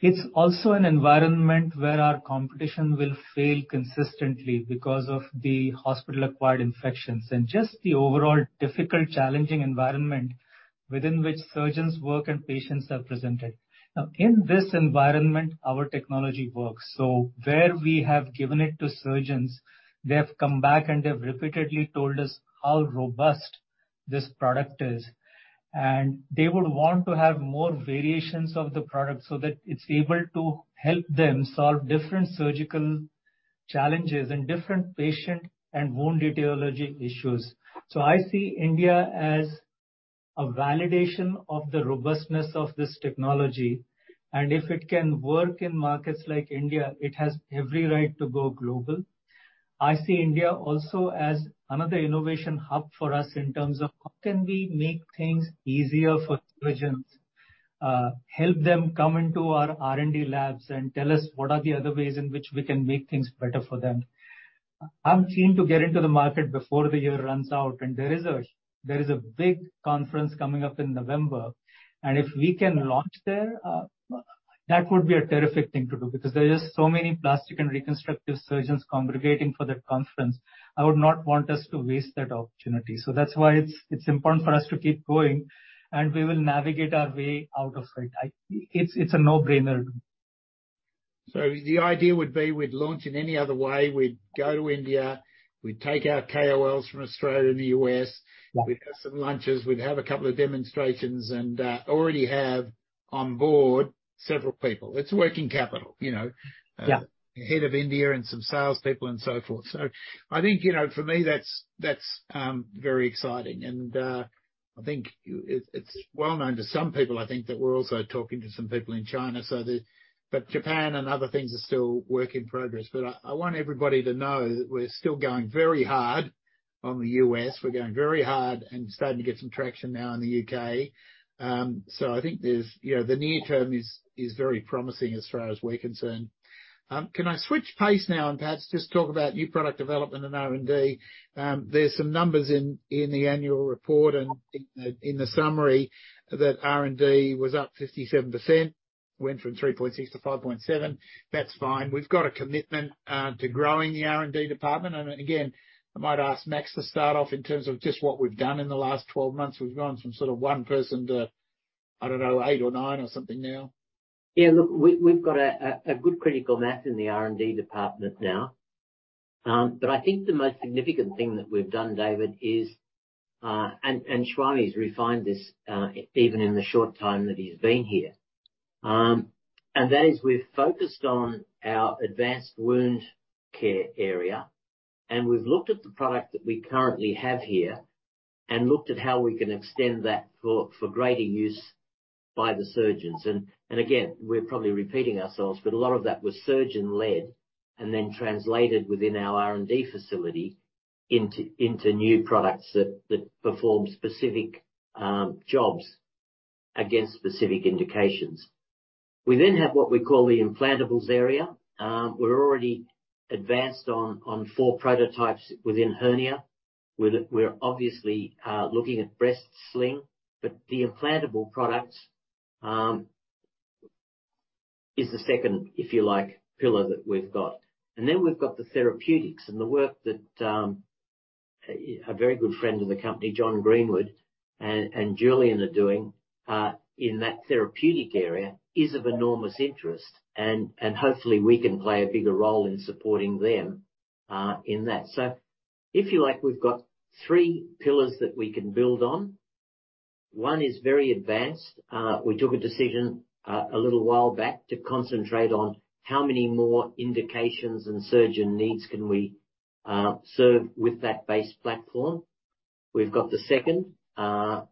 It's also an environment where our competition will fail consistently because of the hospital-acquired infections and just the overall difficult, challenging environment within which surgeons work and patients are presented. Now, in this environment, our technology works. Where we have given it to surgeons, they have come back and they've repeatedly told us how robust this product is. They would want to have more variations of the product so that it's able to help them solve different surgical challenges and different patient and wound etiology issues. I see India as a validation of the robustness of this technology, and if it can work in markets like India, it has every right to go global. I see India also as another innovation hub for us in terms of how can we make things easier for surgeons, help them come into our R&D labs and tell us what are the other ways in which we can make things better for them. I'm keen to get into the market before the year runs out, and there is a big conference coming up in November, and if we can launch there, that would be a terrific thing to do, because there are just so many plastic and reconstructive surgeons congregating for that conference. I would not want us to waste that opportunity. That's why it's important for us to keep going, and we will navigate our way out of it. It's a no-brainer. The idea would be we'd launch in any other way. We'd go to India, we'd take our KOLs from Australia and the U.S. Yeah. We'd have some lunches, we'd have a couple of demonstrations and already have on board several people. It's working capital, you know? Yeah. Head of India and some sales people and so forth. I think, you know, for me, that's very exciting. I think it's well-known to some people, I think, that we're also talking to some people in China. Japan and other things are still work in progress. I want everybody to know that we're still going very hard on the U.S. We're going very hard and starting to get some traction now in the U.K. I think there's, you know, the near term is very promising as far as we're concerned. Can I switch pace now and perhaps just talk about new product development and R&D? There's some numbers in the annual report and in the summary that R&D was up 57%, went from 3.6-5.7. That's fine. We've got a commitment to growing the R&D department. Again, I might ask Max to start off in terms of just what we've done in the last 12 months. We've gone from sort of 1 person to, I don't know, eight or nine or something now. Look, we've got a good critical mass in the R&D department now. But I think the most significant thing that we've done, David, is Swami has refined this, even in the short time that he's been here. That is, we've focused on our advanced wound care area, and we've looked at the product that we currently have here and looked at how we can extend that for greater use by the surgeons. Again, we're probably repeating ourselves, but a lot of that was surgeon-led and then translated within our R&D facility into new products that perform specific jobs against specific indications. We then have what we call the implantables area. We're already advanced on four prototypes within hernia. We're obviously looking at breast sling, but the implantable products is the second, if you like, pillar that we've got. We've got the therapeutics, and the work that a very good friend of the company, John Greenwood, and Julian are doing in that therapeutic area is of enormous interest. Hopefully, we can play a bigger role in supporting them in that. If you like, we've got three pillars that we can build on. One is very advanced. We took a decision a little while back to concentrate on how many more indications and surgeon needs can we serve with that base platform. We've got the second,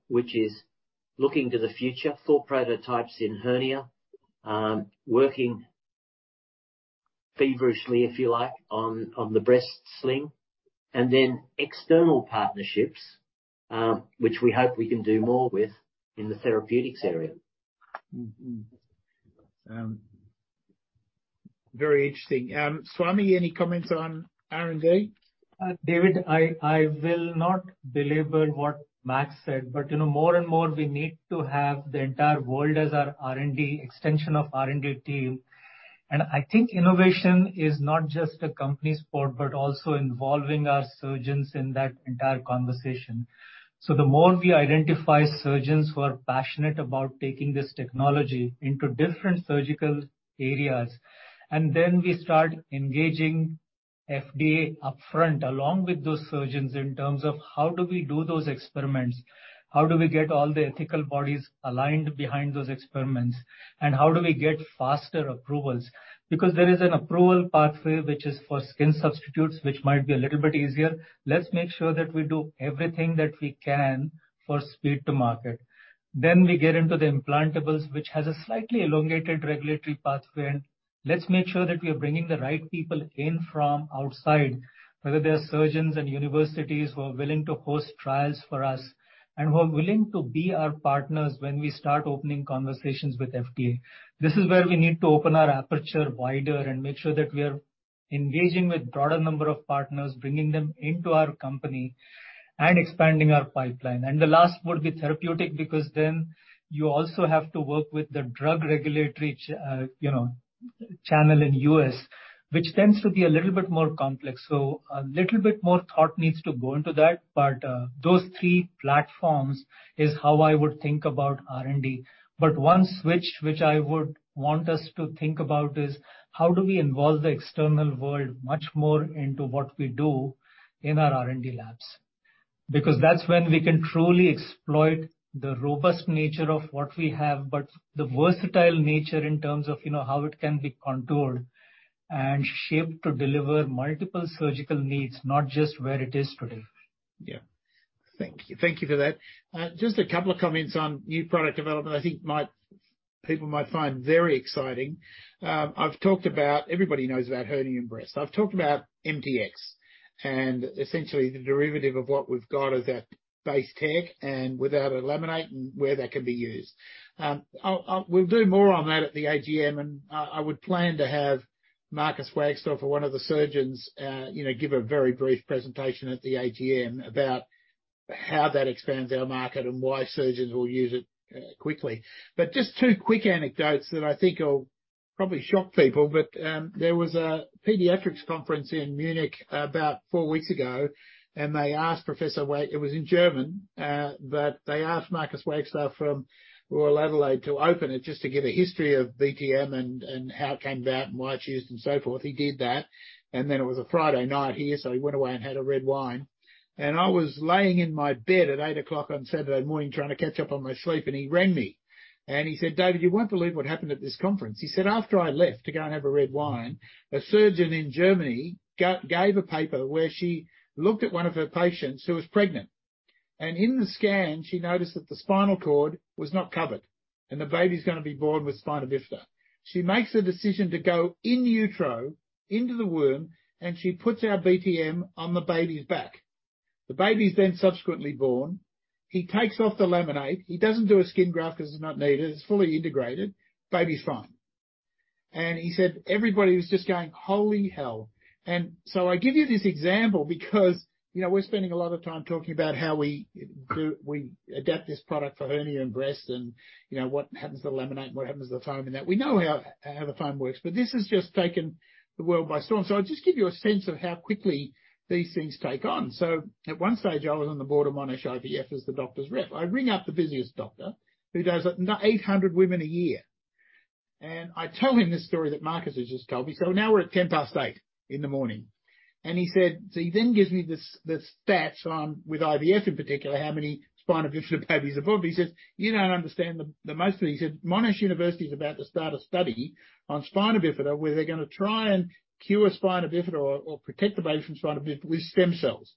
which is looking to the future. Four prototypes in hernia. Working feverishly, if you like, on the breast sling. External partnerships, which we hope we can do more with in the therapeutics area. Mm-hmm. Very interesting. Swami, any comments on R&D? David, I will not belabor what Max said, but, you know, more and more we need to have the entire world as our R&D, extension of R&D team. I think innovation is not just a company sport, but also involving our surgeons in that entire conversation. The more we identify surgeons who are passionate about taking this technology into different surgical areas, and then we start engaging FDA upfront along with those surgeons in terms of how do we do those experiments, how do we get all the ethical bodies aligned behind those experiments, and how do we get faster approvals. Because there is an approval pathway which is for skin substitutes, which might be a little bit easier. Let's make sure that we do everything that we can for speed to market. We get into the implantables, which has a slightly elongated regulatory pathway, and let's make sure that we're bringing the right people in from outside, whether they're surgeons and universities who are willing to host trials for us and who are willing to be our partners when we start opening conversations with FDA. This is where we need to open our aperture wider and make sure that we're engaging with broader number of partners, bringing them into our company and expanding our pipeline. The last would be therapeutic, because then you also have to work with the drug regulatory, you know, channel in U.S., which tends to be a little bit more complex. A little bit more thought needs to go into that. Those three platforms is how I would think about R&D. One switch which I would want us to think about is: How do we involve the external world much more into what we do in our R&D labs? Because that's when we can truly exploit the robust nature of what we have, but the versatile nature in terms of, you know, how it can be contoured and shaped to deliver multiple surgical needs, not just where it is today. Yeah. Thank you. Thank you for that. Just a couple of comments on new product development I think people might find very exciting. I've talked about. Everybody knows about hernia and breast. I've talked about MTX and essentially the derivative of what we've got is that base tech and without a laminate and where that can be used. We'll do more on that at the AGM, and I would plan to have Marcus Wagstaff or one of the surgeons, you know, give a very brief presentation at the AGM about how that expands our market and why surgeons will use it, quickly. Just two quick anecdotes that I think will probably shock people. There was a pediatrics conference in Munich about four weeks ago. It was in German, but they asked Marcus Wagstaff from Royal Adelaide to open it, just to give a history of BTM and how it came about and why it's used and so forth. He did that, and then it was a Friday night here, so he went away and had a red wine. I was lying in my bed at 8:00 A.M. on Saturday morning trying to catch up on my sleep, and he rang me and he said, "David, you won't believe what happened at this conference." He said, "After I left to go and have a red wine, a surgeon in Germany gave a paper where she looked at one of her patients who was pregnant, and in the scan she noticed that the spinal cord was not covered and the baby's gonna be born with spina bifida. She makes a decision to go in utero, into the womb, and she puts our BTM on the baby's back. The baby is then subsequently born. He takes off the laminate. He doesn't do a skin graft 'cause it's not needed. It's fully integrated. Baby's fine." He said, "Everybody was just going, 'Holy hell.'" I give you this example because, you know, we're spending a lot of time talking about how we adapt this product for hernia and breast and, you know, what happens to the laminate and what happens to the foam and that. We know how the foam works, but this has just taken the world by storm. I'll just give you a sense of how quickly these things take on. At one stage, I was on the board of Monash IVF as the doctor's rep. I ring up the busiest doctor who does 800 women a year, and I tell him this story that Marcus has just told me. Now we're at 8:10 A.M., and he said... He then gives me the stats on, with IVF in particular, how many spina bifida babies are born, but he says, "You don't understand the most of it." He said, "Monash University is about to start a study on spina bifida, where they're gonna try and cure spina bifida or protect the baby from spina bifida with stem cells."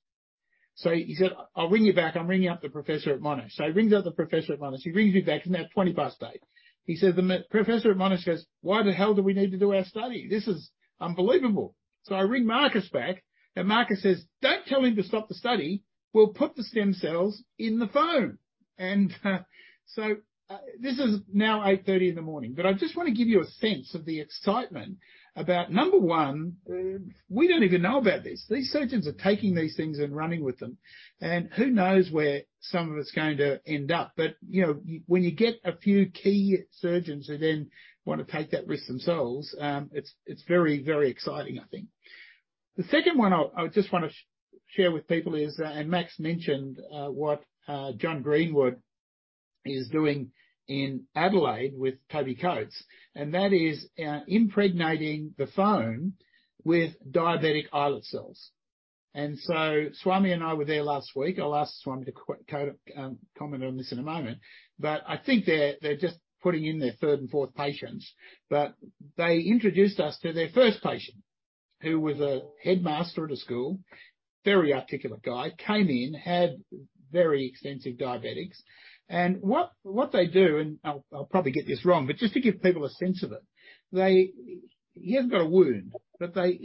He said, "I'll ring you back. I'm ringing up the professor at Monash." He rings up the professor at Monash. He rings me back. It's now 8:20. He says, "The professor at Monash says, 'Why the hell do we need to do our study? This is unbelievable.'" I ring Marcus back, and Marcus says, "Don't tell him to stop the study. We'll put the stem cells in the foam. This is now 8:30 in the morning., but I just want to give you a sense of the excitement about, number one, we don't even know about this. These surgeons are taking these things and running with them. And who knows where some of it's going to end up. But, you know, when you get a few key surgeons who then want to take that risk themselves, it's very, very exciting, I think. The second one I just want to share with people is, and Max mentioned, what John Greenwood is doing in Adelaide with Toby Coates, and that is, impregnating the foam with diabetic islet cells. Swami and I were there last week. I'll ask Swami to kinda comment on this in a moment, but I think they're just putting in their third and fourth patients. They introduced us to their first patient, who was a headmaster at a school, very articulate guy, came in, had very extensive diabetes. What they do, I'll probably get this wrong, but just to give people a sense of it. He hasn't got a wound, but they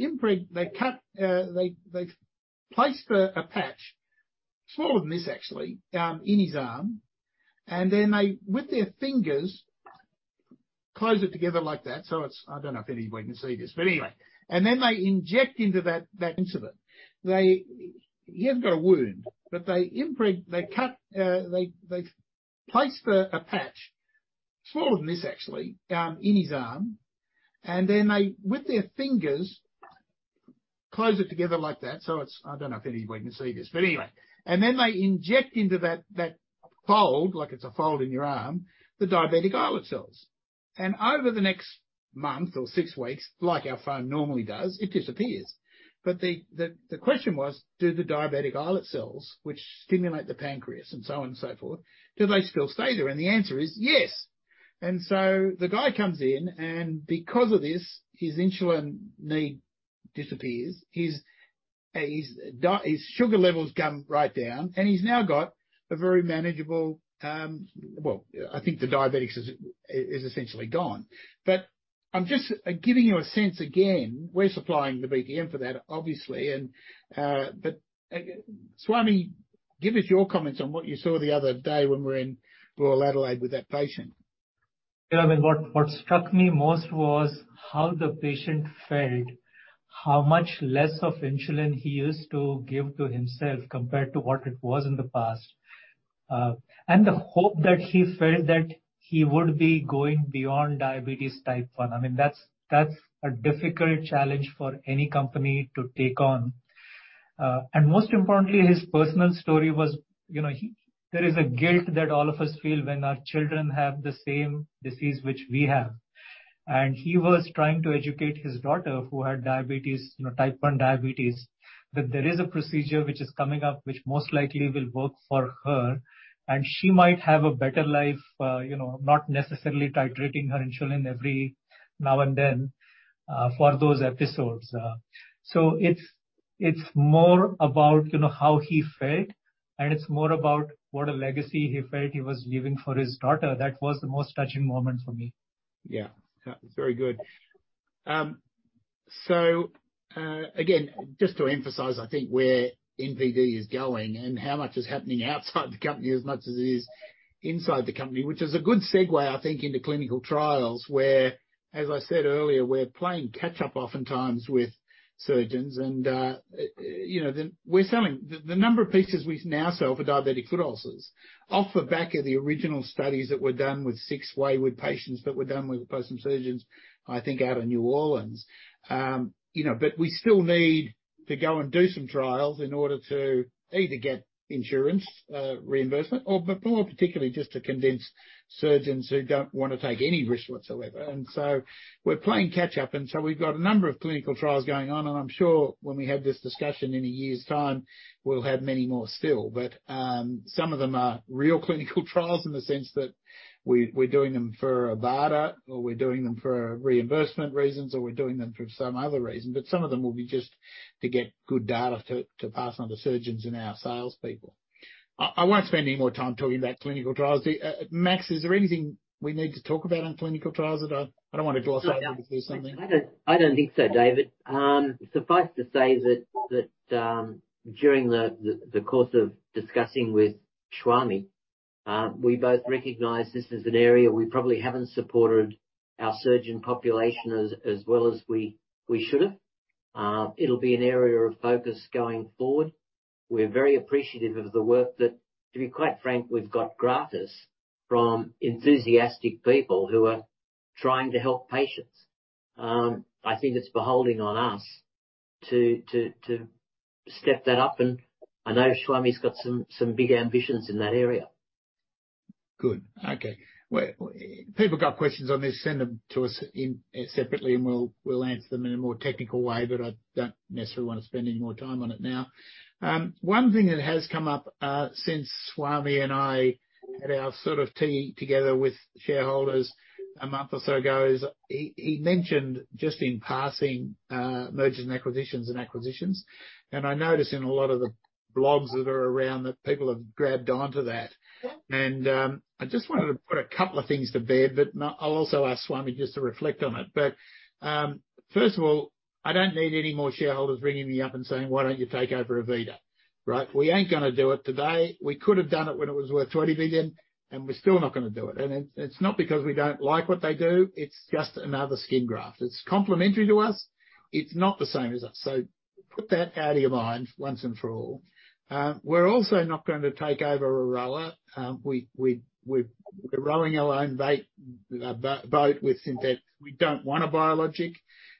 cut. They placed a patch, smaller than this actually, in his arm, and then they with their fingers close it together like that, so it's. I don't know if anybody can see this, but anyway. Then they inject into that incision. They cut, they placed a patch, smaller than this actually, in his arm, and then they with their fingers close it together like that. I don't know if anybody can see this, but anyway. They inject into that fold, like it's a fold in your arm, the diabetic islet cells. Over the next month or six weeks, like our foam normally does, it disappears. The question was, do the diabetic islet cells, which stimulate the pancreas and so on and so forth, do they still stay there? The answer is yes. The guy comes in and because of this, his insulin need disappears. His sugar levels come right down, and he's now got a very manageable. Well, I think the diabetes is essentially gone. I'm just giving you a sense, again, we're supplying the BTM for that, obviously, and, Swami, give us your comments on what you saw the other day when we're in Royal Adelaide with that patient. Yeah, I mean, what struck me most was how the patient fared, how much less of insulin he used to give to himself compared to what it was in the past, and the hope that he felt that he would be going beyond diabetes Type 1. I mean, that's a difficult challenge for any company to take on. Most importantly, his personal story was, you know, there is a guilt that all of us feel when our children have the same disease which we have. He was trying to educate his daughter who had diabetes, you know, Type 1 diabetes, that there is a procedure which is coming up, which most likely will work for her, and she might have a better life, you know, not necessarily titrating her insulin every now and then, for those episodes. It's more about, you know, how he fared, and it's more about what a legacy he felt he was leaving for his daughter. That was the most touching moment for me. Yeah. Very good. Again, just to emphasize, I think, where NPD is going and how much is happening outside the company as much as it is inside the company, which is a good segue, I think, into clinical trials, where, as I said earlier, we're playing catch-up oftentimes with surgeons and, you know, then we're selling. The number of pieces we now sell for diabetic foot ulcers, off the back of the original studies that were done with six wayward patients that were done with the person surgeons, I think, out of New Orleans. You know, but we still need to go and do some trials in order to either get insurance reimbursement or, but more particularly just to convince surgeons who don't wanna take any risk whatsoever. We're playing catch up, and so we've got a number of clinical trials going on, and I'm sure when we have this discussion in a year's time, we'll have many more still. But some of them are real clinical trials in the sense that we're doing them for Avita or we're doing them for reimbursement reasons or we're doing them for some other reason, but some of them will be just to get good data to pass on to surgeons and our salespeople. I won't spend any more time talking about clinical trials. Max, is there anything we need to talk about on clinical trials? I don't wanna gloss over them if there's something. I don't think so, Dave. Suffice to say that during the course of discussing with Swami, we both recognize this is an area we probably haven't supported our surgeon population as well as we should have. It'll be an area of focus going forward. We're very appreciative of the work that, to be quite frank, we've got gratis from enthusiastic people who are trying to help patients. I think it's behooving on us to step that up. I know Swami's got some big ambitions in that area. Good. Okay. Well, people got questions on this, send them to us in separately, and we'll answer them in a more technical way, but I don't necessarily wanna spend any more time on it now. One thing that has come up since Swami and I had our sort of tea together with shareholders a month or so ago is, he mentioned just in passing mergers and acquisitions and acquisitions. I notice in a lot of the blogs that are around that people have grabbed on to that. Yeah. I just wanted to put a couple of things to bed. I'll also ask Swami just to reflect on it. First of all, I don't need any more shareholders ringing me up and saying, "Why don't you take over Avita?" Right? We ain't gonna do it today. We could have done it when it was worth 20 billion, and we're still not gonna do it. It's not because we don't like what they do, it's just another skin graft. It's complementary to us. It's not the same as us. Put that out of your mind once and for all. We're also not gonna take over Aroa. We're rowing our own boat with synthetics. We don't want a biologic.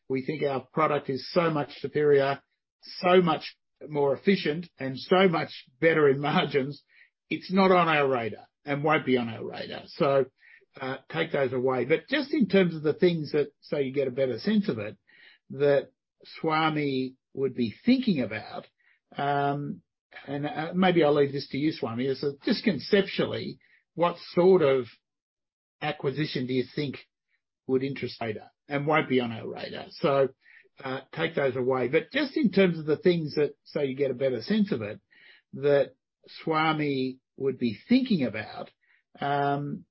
We think our product is so much superior, so much more efficient, and so much better in margins. It's not on our radar and won't be on our radar. Take those away. Just in terms of the things that so you get a better sense of it that Swami would be thinking about and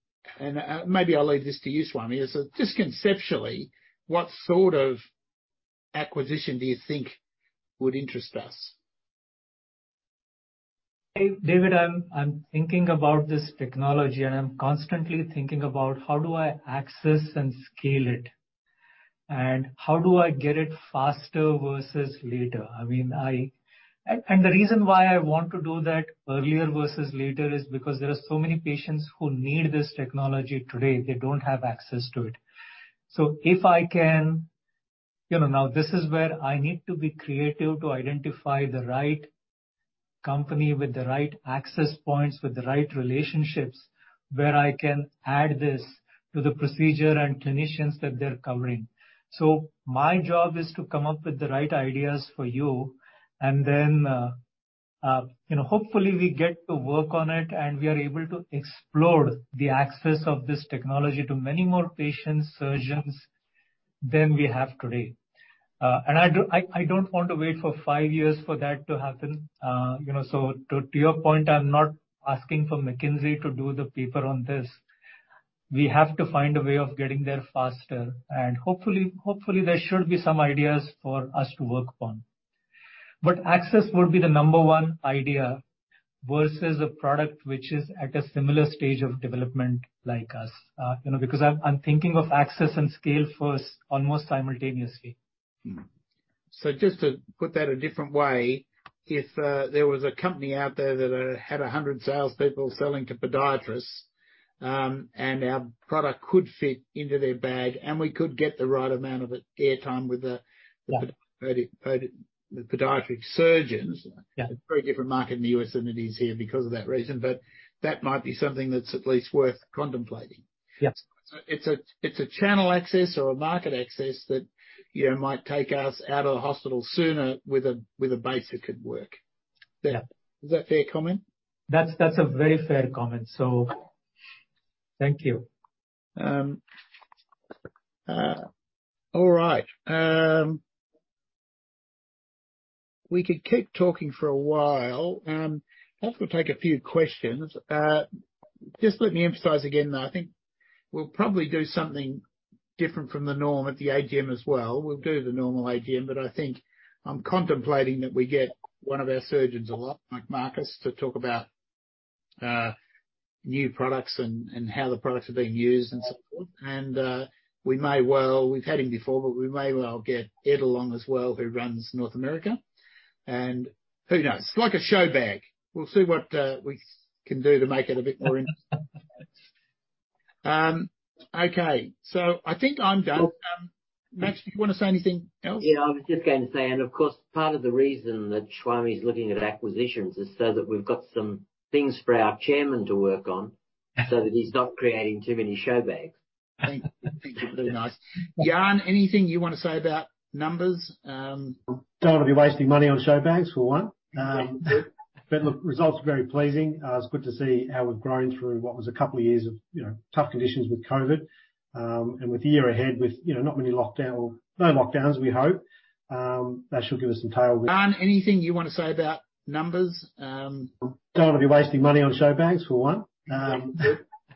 maybe I'll leave this to you, Swami. Is that just conceptually what sort of acquisition do you think would interest us? David, I'm thinking about this technology, and I'm constantly thinking about how do I access and scale it, and how do I get it faster versus later. I mean, the reason why I want to do that earlier versus later is because there are so many patients who need this technology today, they don't have access to it. If I can you know, now this is where I need to be creative to identify the right company with the right access points, with the right relationships, where I can add this to the procedure and clinicians that they're covering. My job is to come up with the right ideas for you, and then you know, hopefully, we get to work on it, and we are able to explore the access of this technology to many more patients, surgeons than we have today. I don't want to wait for five years for that to happen. You know, to your point, I'm not asking for McKinsey to do the paper on this. We have to find a way of getting there faster. Hopefully, there should be some ideas for us to work upon. Access would be the number one idea versus a product which is at a similar stage of development like us. You know, because I'm thinking of access and scale first, almost simultaneously. Just to put that a different way, if there was a company out there that had 100 salespeople selling to podiatrists, and our product could fit into their bag, and we could get the right amount of airtime with the. Yeah. podiatry, podiatric surgeons. Yeah. A very different market in the U.S. than it is here because of that reason, but that might be something that's at least worth contemplating. Yeah. It's a channel access or a market access that, you know, might take us out of the hospital sooner with a base that could work. Yeah. Is that fair comment? That's a very fair comment, so thank you. All right. We could keep talking for a while. Perhaps we'll take a few questions. Just let me emphasize again that I think we'll probably do something different from the norm at the AGM as well. We'll do the normal AGM, but I think I'm contemplating that we get one of our surgeons a lot, like Marcus, to talk about new products and how the products are being used and so forth. We've had him before, but we may well get Ed along as well, who runs North America. Who knows? Like a show bag. We'll see what we can do to make it a bit more interesting. Okay. I think I'm done. Max, do you wanna say anything else? Yeah. I was just going to say, and of course, part of the reason that Swami is looking at acquisitions is so that we've got some things for our chairman to work on, so that he's not creating too many show bags. Thank you. Very nice. Jan, anything you want to say about numbers? Don't wanna be wasting money on show bags, for one. Look, results are very pleasing. It's good to see how we've grown through what was a couple of years of, you know, tough conditions with COVID. With the year ahead, with, you know, not many lockdown or no lockdowns, we hope, that should give us some tailwind. Jan, anything you want to say about numbers? Don't wanna be wasting money on show bags, for one.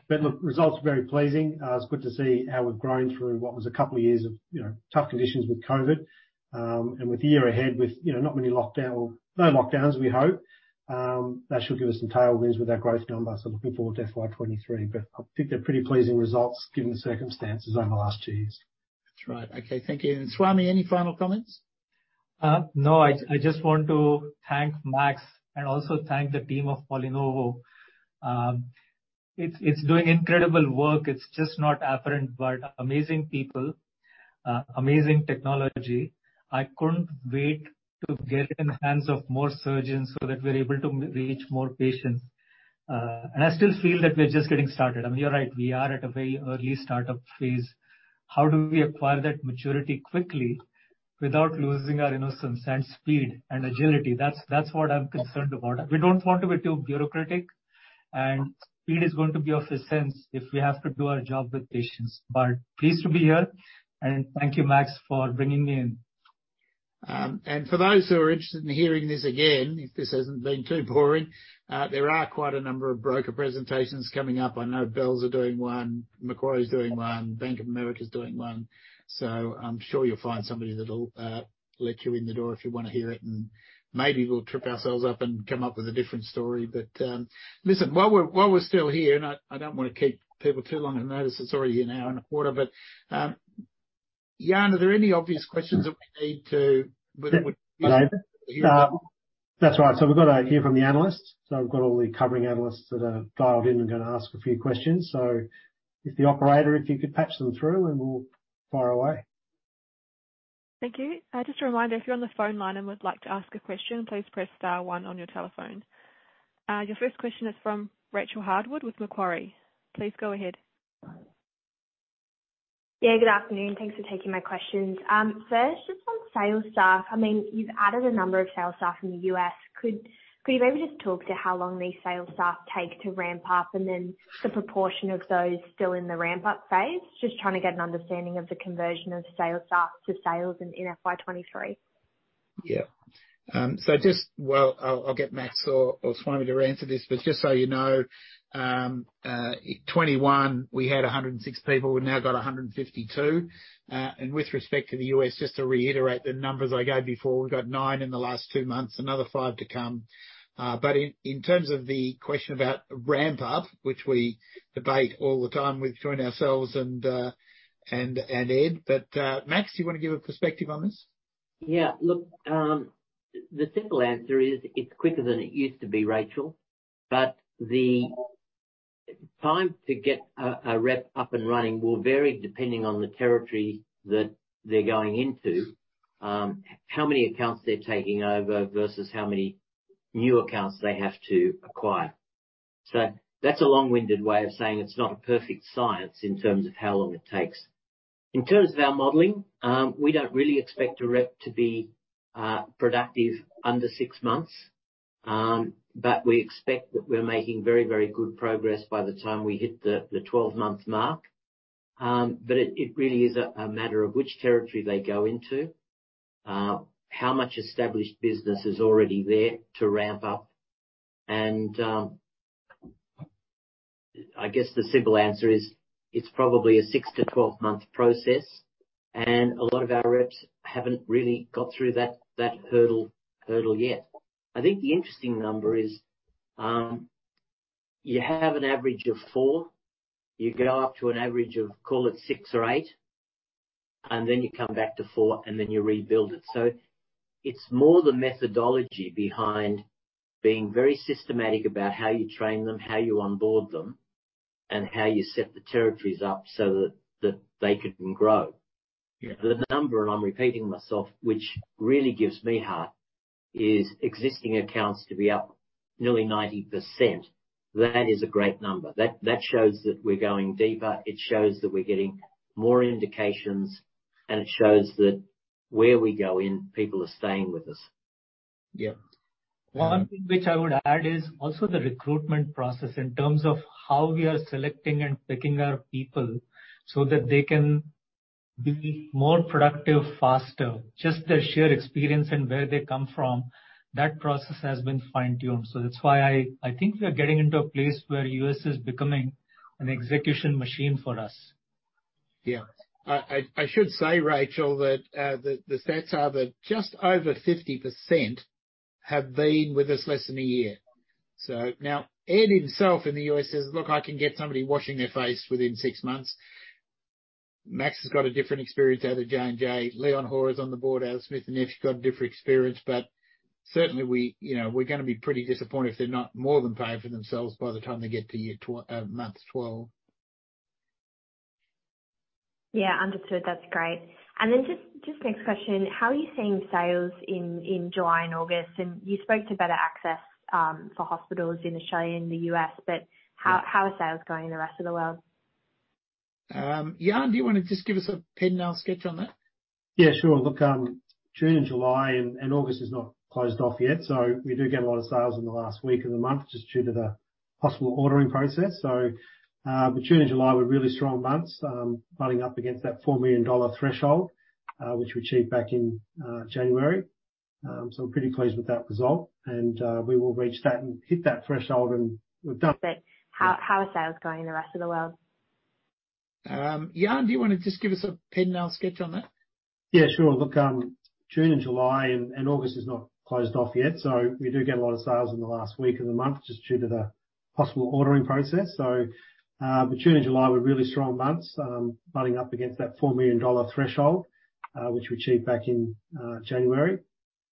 Look, results are very pleasing. It's good to see how we've grown through what was a couple of years of, you know, tough conditions with COVID. With the year ahead, with, you know, not many lockdown or no lockdowns, we hope, that should give us some tailwinds with our growth numbers. Looking forward to FY 2023. I think they're pretty pleasing results given the circumstances over the last two years. That's right. Okay. Thank you. Swami, any final comments? No. I just want to thank Max and also thank the team of PolyNovo. It's doing incredible work. It's just not apparent, but amazing people, amazing technology. I couldn't wait to get it in the hands of more surgeons so that we're able to reach more patients. I still feel that we're just getting started. I mean, you're right, we are at a very early startup phase. How do we acquire that maturity quickly without losing our innocence and speed and agility? That's what I'm concerned about. We don't want to be too bureaucratic, and speed is going to be of essence if we have to do our job with patients. Pleased to be here. Thank you, Max, for bringing me in. For those who are interested in hearing this again, if this hasn't been too boring, there are quite a number of broker presentations coming up. I know Bell Potter is doing one, Macquarie is doing one, Bank of America is doing one. I'm sure you'll find somebody that'll let you in the door if you wanna hear it. Maybe we'll trip ourselves up and come up with a different story. Listen, while we're still here, and I don't wanna keep people too long on notice, it's already an hour and a quarter, but Jan, are there any obvious questions that we need to That's right. We've gotta hear from the analysts. I've got all the covering analysts that are dialed in and gonna ask a few questions. If the operator, if you could patch them through and we'll fire away. Thank you. Just a reminder, if you're on the phone line and would like to ask a question, please press star one on your telephone. Your first question is from Rachel Harwood with Macquarie. Please go ahead. Yeah, good afternoon. Thanks for taking my questions. First, just on sales staff. I mean, you've added a number of sales staff in the U.S. Could you maybe just talk to how long these sales staff take to ramp up? And then the proportion of those still in the ramp-up phase? Just trying to get an understanding of the conversion of sales staff to sales in FY 2023. I'll get Max or Swami to answer this, but just so you know, in 2021, we had 106 people. We've now got 152. And with respect to the U.S., just to reiterate the numbers I gave before, we got nine in the last two months, another five to come. In terms of the question about ramp up, which we debate all the time between ourselves and Ed. Max, do you wanna give a perspective on this? Yeah. Look, the simple answer is, it's quicker than it used to be, Rachel. The time to get a rep up and running will vary depending on the territory that they're going into, how many accounts they're taking over versus how many new accounts they have to acquire. That's a long-winded way of saying it's not a perfect science in terms of how long it takes. In terms of our modeling, we don't really expect a rep to be productive under six months. We expect that we're making very, very good progress by the time we hit the 12-months mark. It really is a matter of which territory they go into, how much established business is already there to ramp up. I guess the simple answer is, it's probably a six-12-month process, and a lot of our reps haven't really got through that hurdle yet. I think the interesting number is, you have an average of four. You go up to an average of, call it six or eight, and then you come back to four, and then you rebuild it. It's more the methodology behind being very systematic about how you train them, how you onboard them, and how you set the territories up so that they can grow. Yeah. The number, and I'm repeating myself, which really gives me heart, is existing accounts to be up nearly 90%. That is a great number. That shows that we're going deeper. It shows that we're getting more indications, and it shows that where we go in, people are staying with us. Yeah. One thing which I would add is also the recruitment process in terms of how we are selecting and picking our people so that they can be more productive faster. Just their sheer experience and where they come from, that process has been fine-tuned. That's why I think we are getting into a place where U.S. is becoming an execution machine for us. I should say, Rachel, that the stats are that just over 50% have been with us less than a year. Now Ed himself in the U.S. says, "Look, I can get somebody washing their face within six months." Max has got a different experience out of J&J. Leon Hoare is on the board at Smith & Nephew, got a different experience, but certainly we, you know, we're gonna be pretty disappointed if they're not more than paying for themselves by the time they get to month 12. Yeah. Understood. That's great. Just next question. How are you seeing sales in July and August? You spoke to better access for hospitals in Australia and the U.S., but how are sales going in the rest of the world? Jan, do you wanna just give us a pen and I'll sketch on that? Yeah, sure. Look, June and July and August is not closed off yet, so we do get a lot of sales in the last week of the month just due to the hospital ordering process. June and July were really strong months, butting up against that 4 million dollar threshold, which we achieved back in January. We're pretty pleased with that result and we will reach that and hit that threshold, and we've done- How are sales going in the rest of the world? Jan, do you wanna just give us a pen and I'll sketch on that? Yeah, sure. Look, June and July and August is not closed off yet, so we do get a lot of sales in the last week of the month just due to the hospital ordering process. June and July were really strong months, butting up against that 4 million dollar threshold, which we achieved back in January.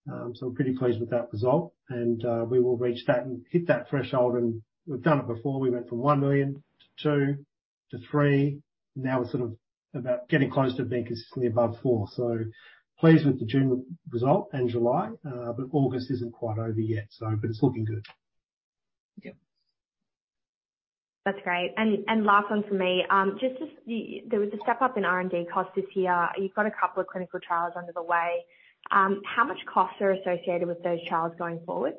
We're pretty pleased with that result and we will reach that and hit that threshold, and we've done it before. We went from 1 million-2 million to 3 million. Now we're sort of about getting close to being consistently above 4 million. Pleased with the June result and July, but August isn't quite over yet, it's looking good. Yeah. That's great. Last one for me. There was a step up in R&D costs this year. You've got a couple of clinical trials underway. How much costs are associated with those trials going forward?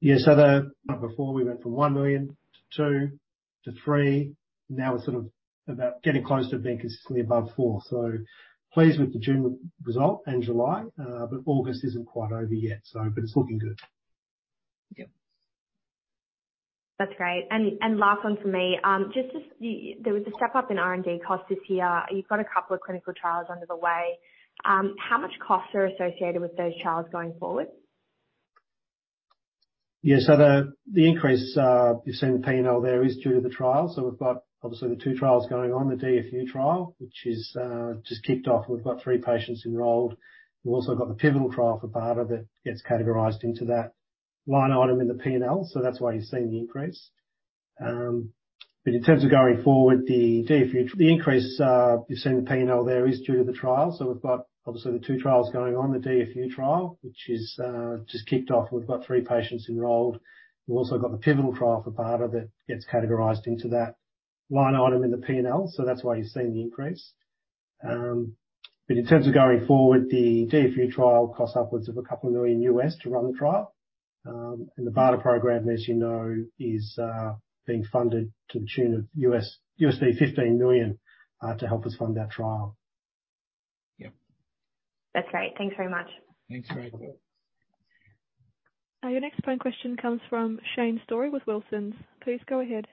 Before we went from 1 million- 2 million to 3 million, now we're sort of about getting close to being consistently above 4 million. Pleased with the June result and July, but August isn't quite over yet, so but it's looking good. Yep. That's great. Last one for me, just as there was a step up in R&D costs this year. You've got a couple of clinical trials underway. How much costs are associated with those trials going forward? Yeah. The increase you see in P&L there is due to the trial. We've got obviously the two trials going on, the DFU trial, which is just kicked off. We've got three patients enrolled. We've also got the pivotal trial for BARDA that gets categorized into that one item in the P&L, so that's why you're seeing the increase. But in terms of going forward, the increase you see in the P&L there is due to the trial. We've got obviously the two trials going on, the DFU trial, which is just kicked off. We've got three patients enrolled. We've also got the pivotal trial for BARDA that gets categorized into that one item in the P&L, so that's why you're seeing the increase. In terms of going forward, the DFU trial costs upwards of $2 million to run the trial. The BARDA program, as you know, is being funded to the tune of $15 million to help us fund that trial. That's great. Thanks very much. Thanks very much. Your next phone question comes from Shane Storey with Wilsons. Please go ahead.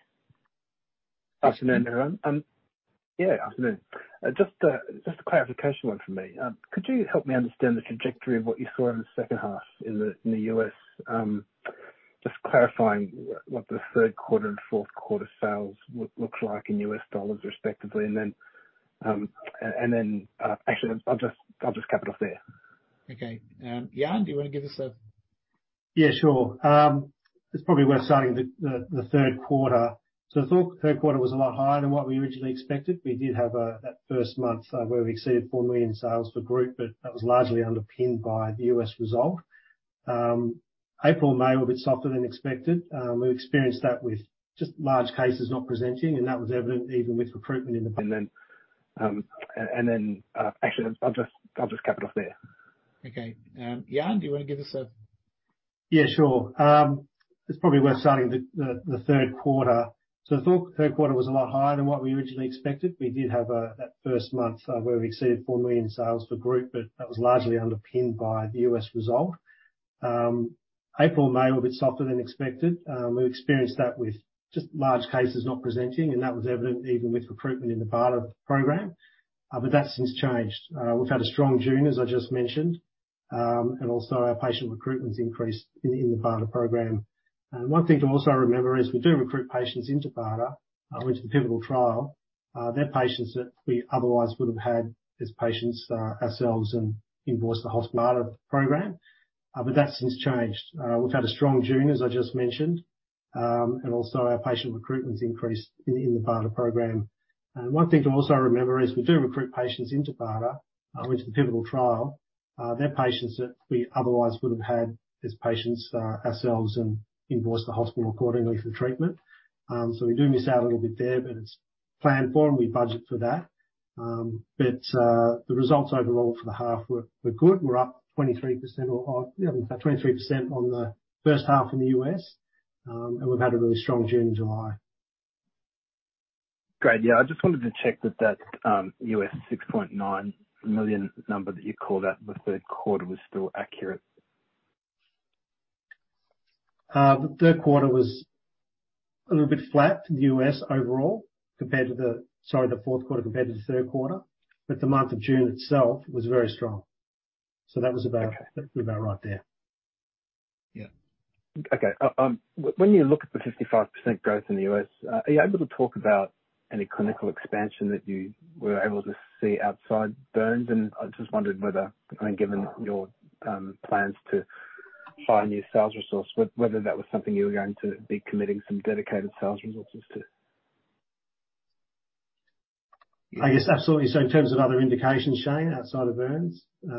Afternoon. Yeah, afternoon. Just one clarification for me. Could you help me understand the trajectory of what you saw in the second half in the U.S.? Just clarifying what the third quarter and fourth quarter sales looks like in U.S. dollars respectively, and then actually I'll just cap it off there. Okay. Jan, do you wanna give us a- Yeah, sure. It's probably worth starting the third quarter. I thought third quarter was a lot higher than what we originally expected. We did have that first month where we exceeded 4 million sales for group, but that was largely underpinned by the U.S. result. April and May were a bit softer than expected. We've experienced that with just large cases not presenting, and that was evident even with recruitment in the Actually I'll just cap it off there. Jan, do you wanna give us a? Yeah, sure. It's probably worth starting the third quarter. I thought third quarter was a lot higher than what we originally expected. We did have that first month where we exceeded 4 million sales for group, but that was largely underpinned by the U.S. result. April and May were a bit softer than expected. We've experienced that with just large cases not presenting, and that was evident even with recruitment in the BARDA program. But that's since changed. We've had a strong June, as I just mentioned, and also our patient recruitment's increased in the BARDA program. One thing to also remember is we do recruit patients into BARDA into the pivotal trial. They're patients that we otherwise would've had as patients, ourselves and invoice the hospital BARDA program. That's since changed. We've had a strong June, as I just mentioned, and also our patient recruitment's increased in the BARDA program. One thing to also remember is we do recruit patients into BARDA, into the pivotal trial. They're patients that we otherwise would've had as patients, ourselves and invoice the hospital accordingly for treatment. We do miss out a little bit there, but it's planned for and we budget for that. The results overall for the half were good. We're up 23%, yeah, 23% on the first half in the U.S. We've had a really strong June and July. Great. Yeah, I just wanted to check that $6.9 million number that you called out in the third quarter was still accurate? The fourth quarter compared to the third quarter was a little bit flat in the U.S. overall, but the month of June itself was very strong. That was about- Okay. About right there. Yeah. Okay. When you look at the 55% growth in the U.S., are you able to talk about any clinical expansion that you were able to see outside burns? I just wondered whether, I mean, given your plans to hire new sales resource, whether that was something you were going to be committing some dedicated sales resources to. I guess absolutely. In terms of other indications, Shane, outside of burns, you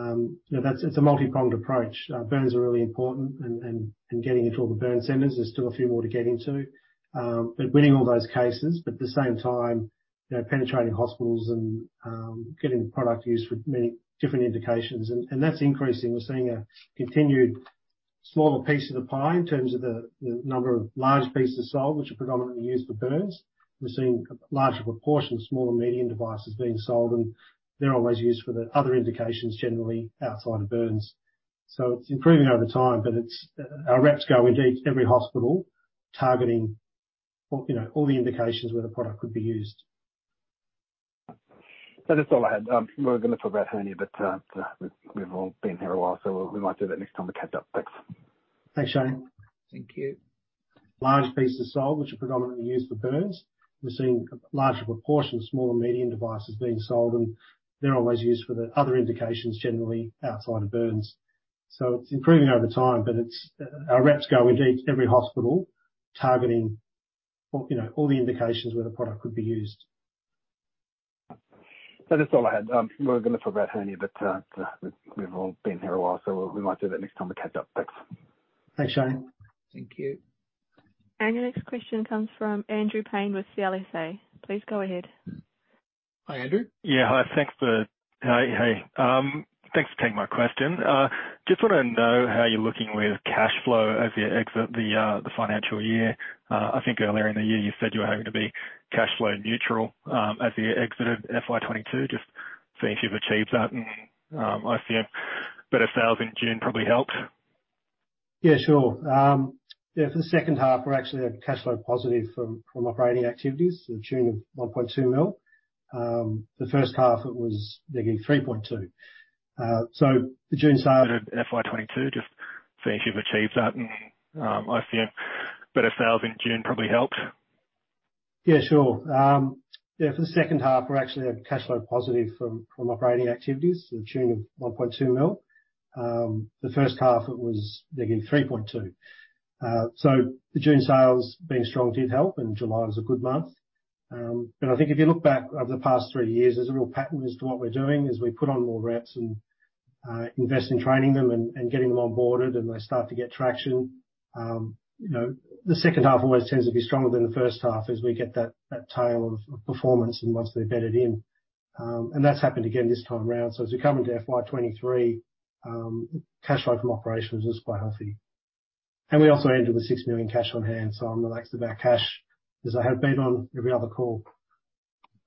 know, that's. It's a multi-pronged approach. Burns are really important and getting into all the burn centers. There's still a few more to get into, but winning all those cases, but at the same time, you know, penetrating hospitals and getting product used for many different indications and that's increasing. We're seeing a continued smaller piece of the pie in terms of the number of large pieces sold, which are predominantly used for burns. We're seeing a larger proportion of smaller medium devices being sold, and they're always used for the other indications generally outside of burns. It's improving over time, but it's. Our reps go into every hospital targeting all, you know, all the indications where the product could be used. That is all I had. We were gonna talk about hernia, but we've all been here a while, so we might do that next time to catch up. Thanks. Thanks, Shane. Thank you. Large pieces sold, which are predominantly used for burns. We're seeing a larger proportion of smaller medium devices being sold, and they're always used for the other indications generally outside of burns. It's improving over time, but it's... Our reps go into every hospital targeting all, you know, all the indications where the product could be used. That is all I had. We were gonna talk about hernia, but we've all been here a while, so we might do that next time to catch up. Thanks. Thanks, Shane. Thank you. Your next question comes from Andrew Paine with CLSA. Please go ahead. Hi, Andrew. Thanks for taking my question. Just wanna know how you're looking with cash flow as you exit the financial year. I think earlier in the year you said you were hoping to be cash flow neutral as you exited FY 2022. Just seeing if you've achieved that. I see better sales in June probably helped. Yeah, sure. Yeah, for the second half, we're actually cash flow positive from operating activities. The June of 1.2 million. The first half it was -3.2 million. So the June sales- FY 2022, just seeing if you've achieved that. I see a better sales in June probably helped. Yeah, sure. Yeah, for the second half, we're actually cash flow positive from operating activities. The June of 1.2 million. The first half it was negative -3.2 million. The June sales being strong did help, and July was a good month. I think if you look back over the past three years, there's a real pattern as to what we're doing: we put on more reps and invest in training them and getting them onboarded, and they start to get traction. You know, the second half always tends to be stronger than the first half as we get that tail of performance and once they're bedded in. That's happened again this time round. As we come into FY 2023, cash flow from operations is quite healthy. We also entered the 6 million cash on hand, so I'm relaxed about cash as I have been on every other call.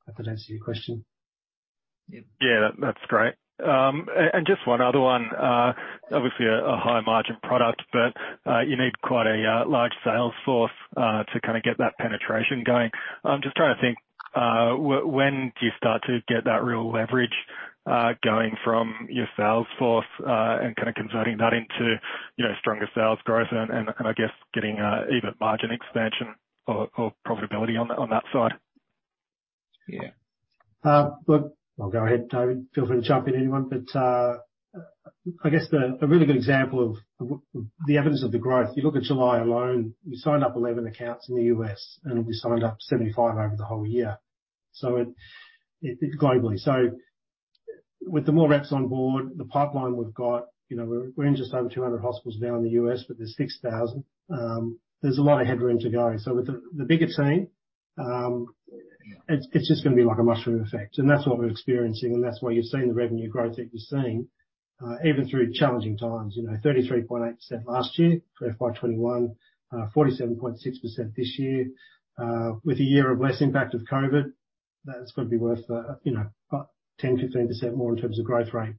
Hope that answers your question. Yeah. That's great. And just one other one. Obviously a high margin product, but you need quite a large sales force to kinda get that penetration going. I'm just trying to think, when do you start to get that real leverage going from your sales force and kinda converting that into, you know, stronger sales growth and I guess getting even margin expansion or profitability on that side? I'll go ahead, David. Feel free to jump in, anyone. I guess a really good example of the evidence of the growth, if you look at July alone, we signed up 11 accounts in the U.S., and we signed up 75 over the whole year. It globally. With the more reps on board, the pipeline we've got, we're in just over 200 hospitals now in the U.S., but there's 6,000. There's a lot of headroom to go. With the bigger team, it's just gonna be like a mushroom effect. That's what we're experiencing, and that's why you're seeing the revenue growth that you're seeing, even through challenging times. 33.8% last year for FY 2021. 47.6% this year. With a year of less impact of COVID, that's gonna be worth 10%-15% more in terms of growth rate.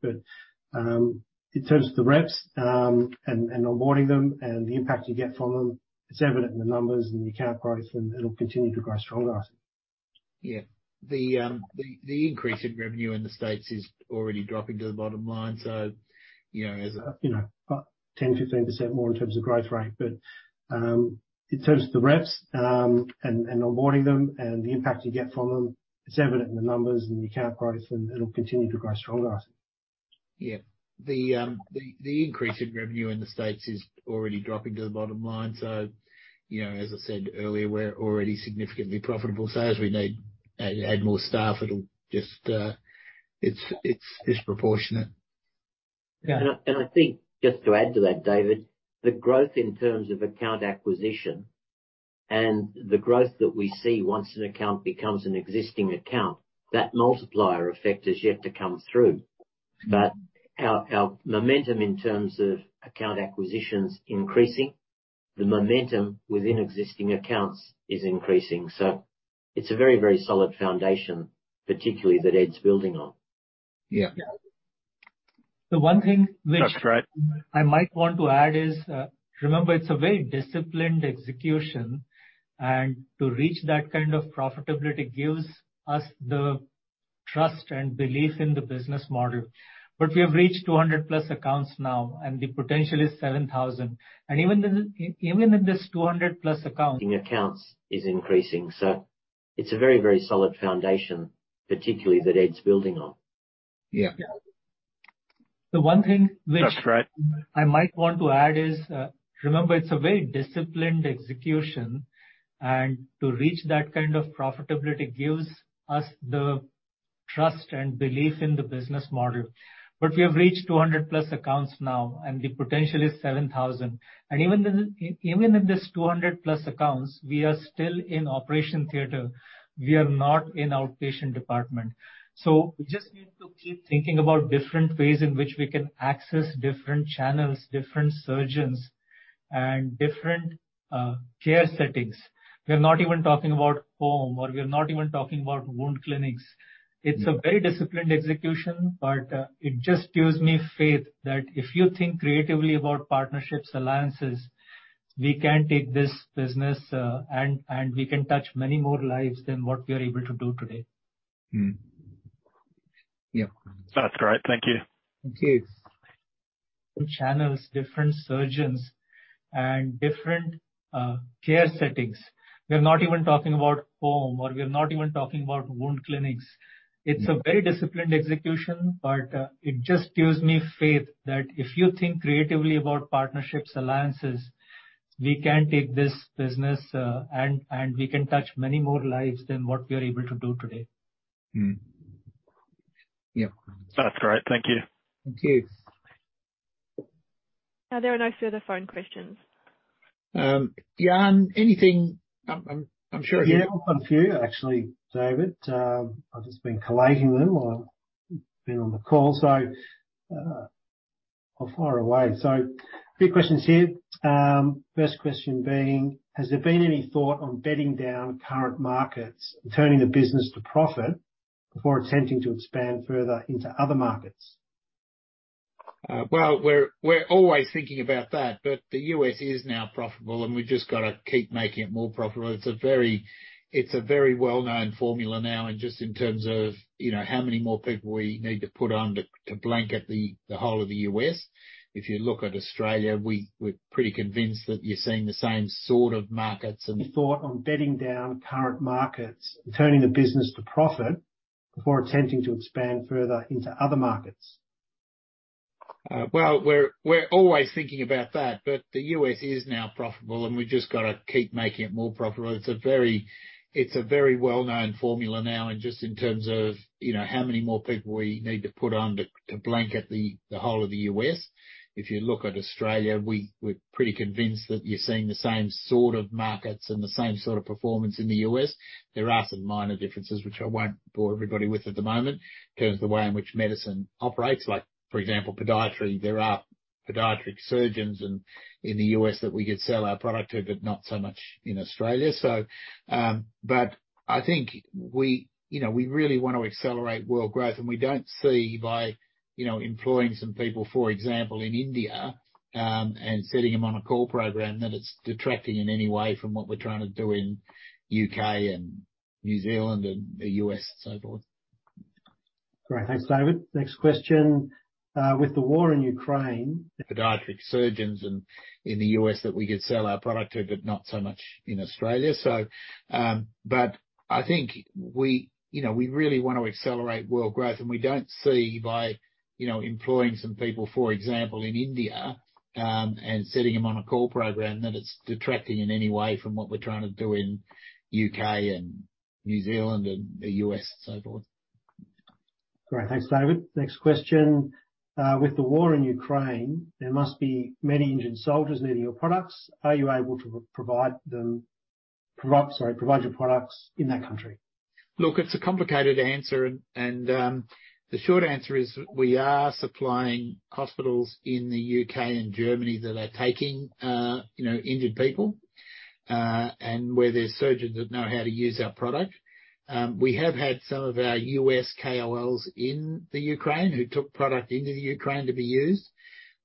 In terms of the reps and onboarding them and the impact you get from them, it's evident in the numbers and the account growth, and it'll continue to grow stronger, I think. The increase in revenue in the States is already dropping to the bottom line. You know, as I- You know, 10%-15% more in terms of growth rate. In terms of the reps, and onboarding them and the impact you get from them, it's evident in the numbers and the account growth, and it'll continue to grow stronger, I think. Yeah. The increase in revenue in the States is already dropping to the bottom line. You know, as I said earlier, we're already significantly profitable. As we need to add more staff it'll just be disproportionate. Yeah. I think, just to add to that, David, the growth in terms of account acquisition and the growth that we see once an account becomes an existing account, that multiplier effect is yet to come through. But our momentum in terms of account acquisition's increasing. The momentum within existing accounts is increasing. It's a very, very solid foundation, particularly that Ed's building on. Yeah. Yeah. The one thing which- That's great. I might want to add is, remember, it's a very disciplined execution, and to reach that kind of profitability gives us the trust and belief in the business model. We have reached 200+ accounts now, and the potential is 7,000. Even with this 200+ accounts is increasing. It's a very, very solid foundation, particularly that Ed's building on. Yeah. Yeah. The one thing which- That's great. I might want to add, remember, it's a very disciplined execution, and to reach that kind of profitability gives us the trust and belief in the business model. We have reached 200+ accounts now, and the potential is 7,000. Even with this 200+ accounts, we are still in operation theater. We are not in outpatient department. We just need to keep thinking about different ways in which we can access different channels, different surgeons, and different care settings. We're not even talking about home, or we're not even talking about wound clinics. It's a very disciplined execution, but it just gives me faith that if you think creatively about partnerships, alliances, we can take this business, and we can touch many more lives than what we are able to do today. Yeah. That's great. Thank you. Thank you. Channels, different surgeons, and different care settings. We're not even talking about home, or we're not even talking about wound clinics. It's a very disciplined execution, but it just gives me faith that if you think creatively about partnerships, alliances, we can take this business, and we can touch many more lives than what we are able to do today. Mm. Yeah. That's great. Thank you. Thank you. There are no further phone questions. Jan, anything. I'm sure. Yeah, quite a few actually, David. I've just been collating them while I've been on the call, so, I'm far away. Few questions here. First question being: Has there been any thought on bedding down current markets and turning the business to profit before attempting to expand further into other markets? Well, we're always thinking about that, but the U.S. is now profitable, and we've just gotta keep making it more profitable. It's a very well-known formula now, and just in terms of, you know, how many more people we need to put on to blanket the whole of the U.S. If you look at Australia, we're pretty convinced that you're seeing the same sort of markets and. Thought on bedding down current markets and turning the business to profit before attempting to expand further into other markets. Well, we're always thinking about that, but the U.S. Is now profitable, and we've just gotta keep making it more profitable. It's a very well-known formula now, and just in terms of, you know, how many more people we need to put on to blanket the whole of the U.S. If you look at Australia, we're pretty convinced that you're seeing the same sort of markets and the same sort of performance in the U.S. There are some minor differences which I won't bore everybody with at the moment in terms of the way in which medicine operates. Like, for example, podiatry. There are podiatric surgeons in the U.S that we could sell our product to, but not so much in Australia. I think we, you know, we really wanna accelerate world growth, and we don't see by, you know, employing some people, for example, in India, and setting them on a call program, that it's detracting in any way from what we're trying to do in U.K. and New Zealand and the U.S. and so forth. Great. Thanks, David. Next question. With the war in Ukraine- Podiatric surgeons in the U.S. that we could sell our product to, but not so much in Australia. I think we, you know, we really wanna accelerate world growth, and we don't see by, you know, employing some people, for example, in India, and setting them on a call program, that it's detracting in any way from what we're trying to do in U.K. and New Zealand and the U.S. and so forth. Great. Thanks, David. Next question. With the war in Ukraine, there must be many injured soldiers needing your products. Are you able to provide your products in that country? Look, it's a complicated answer and the short answer is we are supplying hospitals in the U.K. and Germany that are taking you know injured people and where there's surgeons that know how to use our product. We have had some of our U.S. KOLs in the Ukraine who took product into the Ukraine to be used.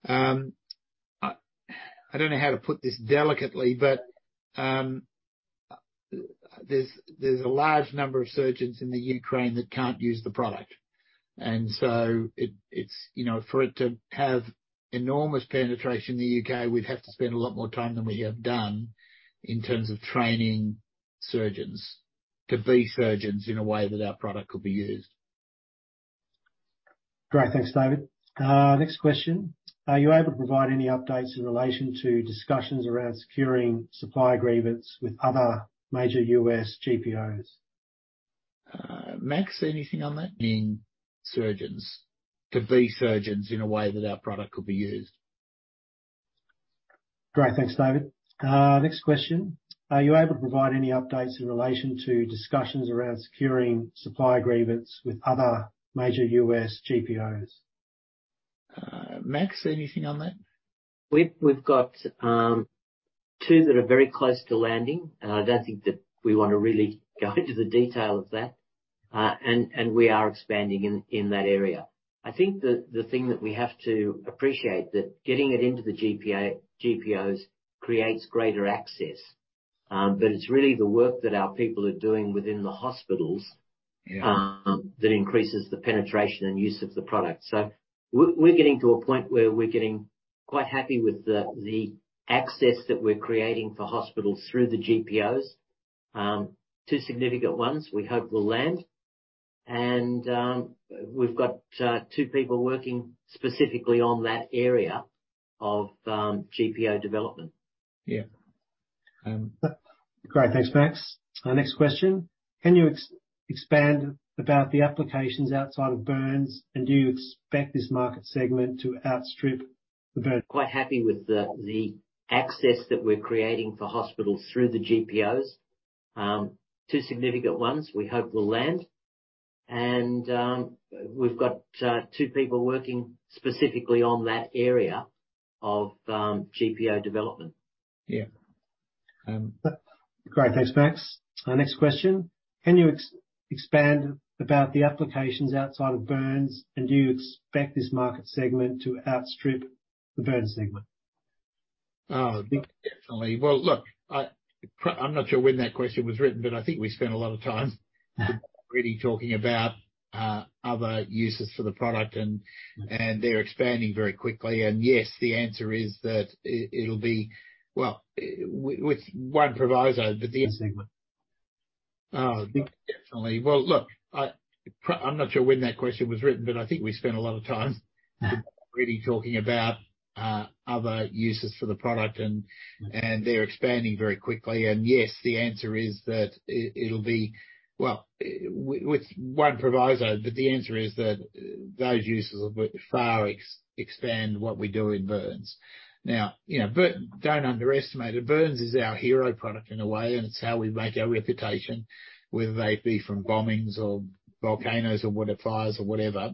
I don't know how to put this delicately, but there's a large number of surgeons in the Ukraine that can't use the product. It, it's you know for it to have enormous penetration in the U.K., we'd have to spend a lot more time than we have done in terms of training surgeons to be surgeons in a way that our product could be used. Great. Thanks, David. Next question. Are you able to provide any updates in relation to discussions around securing supply agreements with other major U.S. GPOs? Max Johnston, anything on that? Surgeons to be surgeons in a way that our product could be used. Great. Thanks, David. Next question. Are you able to provide any updates in relation to discussions around securing supply agreements with other major U.S. GPOs? Max, anything on that? We've got two that are very close to landing, and I don't think that we wanna really go into the detail of that. We are expanding in that area. I think the thing that we have to appreciate that getting it into the GPOs creates greater access. But it's really the work that our people are doing within the hospitals. Yeah. That increases the penetration and use of the product. We're getting to a point where we're getting quite happy with the access that we're creating for hospitals through the GPOs. Two significant ones we hope will land. We've got two people working specifically on that area of GPO development. Yeah. Great. Thanks, Max. Next question. Can you expand about the applications outside of burns? Do you expect this market segment to outstrip the burn- Quite happy with the access that we're creating for hospitals through the GPOs. Two significant ones we hope will land. We've got two people working specifically on that area of GPO development. Yeah. Great. Thanks, Max. Next question. Can you expand about the applications outside of burns? Do you expect this market segment to outstrip the burn segment? Oh, definitely. Well, look, I'm not sure when that question was written, but I think we spent a lot of time really talking about other uses for the product and they're expanding very quickly. Yes, the answer is that it'll be. Well, with one proviso, but the. -segment. Oh, definitely. Well, look, I'm not sure when that question was written, but I think we spent a lot of time really talking about other uses for the product, and they're expanding very quickly. Yes, the answer is that it'll be. Well, with one proviso, but the answer is that those uses will far exceed what we do in burns. Now, you know, don't underestimate it. Burns is our hero product in a way, and it's how we make our reputation, whether they be from bombings or volcanoes or whatever, fires or whatever.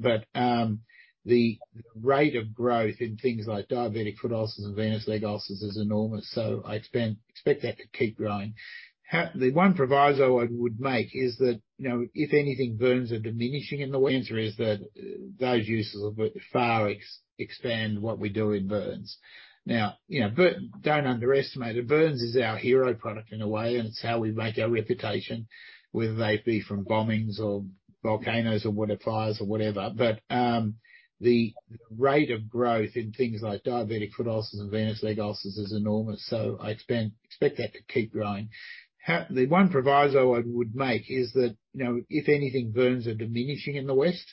The rate of growth in things like diabetic foot ulcers and venous leg ulcers is enormous, so I expect that to keep growing. The one proviso I would make is that, you know, if anything, burns are diminishing in the West.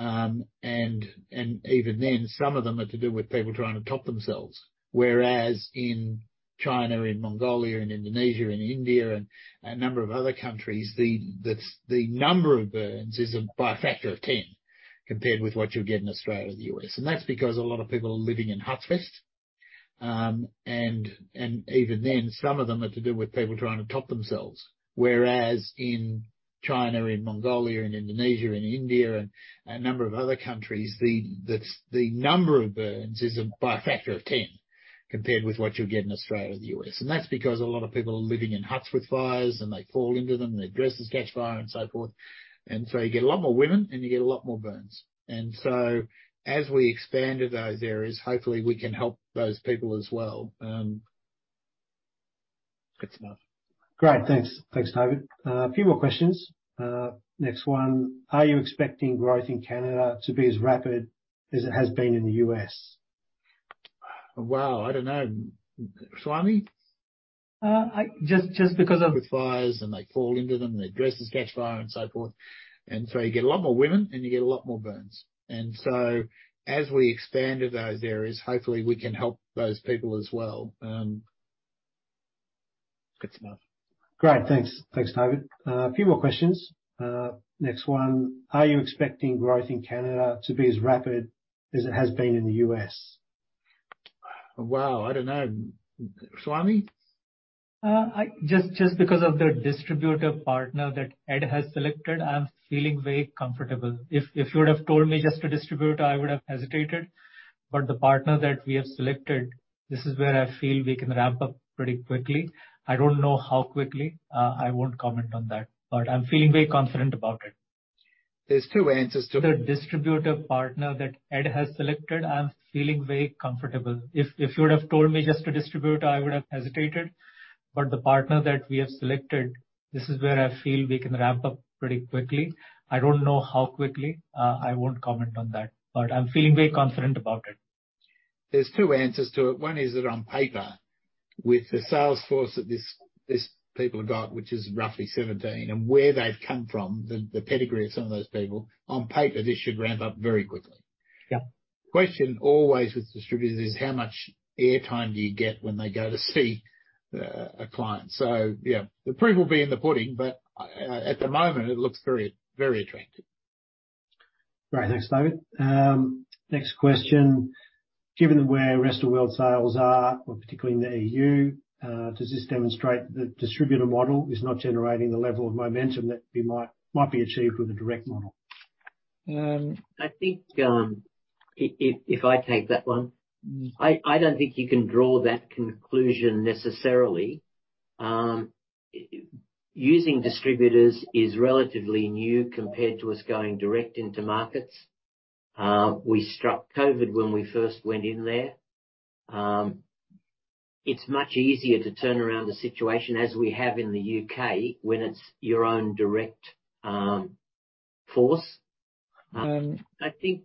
Even then, some of them are to do with people trying to top themselves. Whereas in China, in Mongolia, in Indonesia, in India and a number of other countries, the number of burns is by a factor of ten compared with what you'll get in Australia and the U.S. That's because a lot of people are living in huts with fires, and they fall into them, their dresses catch fire and so forth. You get a lot more women and you get a lot more burns. As we expand to those areas, hopefully we can help those people as well. Good stuff. Great. Thanks. Thanks, David. A few more questions. Next one. Are you expecting growth in Canada to be as rapid as it has been in the U.S.? Wow. I don't know. Swami? Just because of. With fires, and they fall into them, their dresses catch fire and so forth. You get a lot more women and you get a lot more burns. As we expand to those areas, hopefully we can help those people as well. Good stuff. Great. Thanks. Thanks, David. A few more questions. Next one. Are you expecting growth in Canada to be as rapid as it has been in the U.S.? Wow. I don't know. Swami? Just because of the distributor partner that Ed has selected, I'm feeling very comfortable. If you would have told me just a distributor, I would have hesitated. The partner that we have selected, this is where I feel we can ramp up pretty quickly. I don't know how quickly, I won't comment on that, but I'm feeling very confident about it. There's two answers to it. The distributor partner that Ed has selected, I'm feeling very comfortable. If you would have told me just a distributor, I would have hesitated. The partner that we have selected, this is where I feel we can ramp up pretty quickly. I don't know how quickly, I won't comment on that, but I'm feeling very confident about it. There's two answers to it. One is that on paper, with the sales force that these people have got, which is roughly 17, and where they've come from, the pedigree of some of those people, on paper, this should ramp up very quickly. Yeah. Question always with distributors is how much air time do you get when they go to see a client? Yeah, the proof will be in the pudding, but at the moment it looks very, very attractive. Great. Thanks, David. Next question. Given where rest-of-world sales are, particularly in the EU, does this demonstrate the distributor model is not generating the level of momentum that might be achieved with a direct model? Um- I think, if I take that one. I don't think you can draw that conclusion necessarily. Using distributors is relatively new compared to us going direct into markets. We struck COVID when we first went in there. It's much easier to turn around a situation as we have in the U.K. when it's your own direct force. I think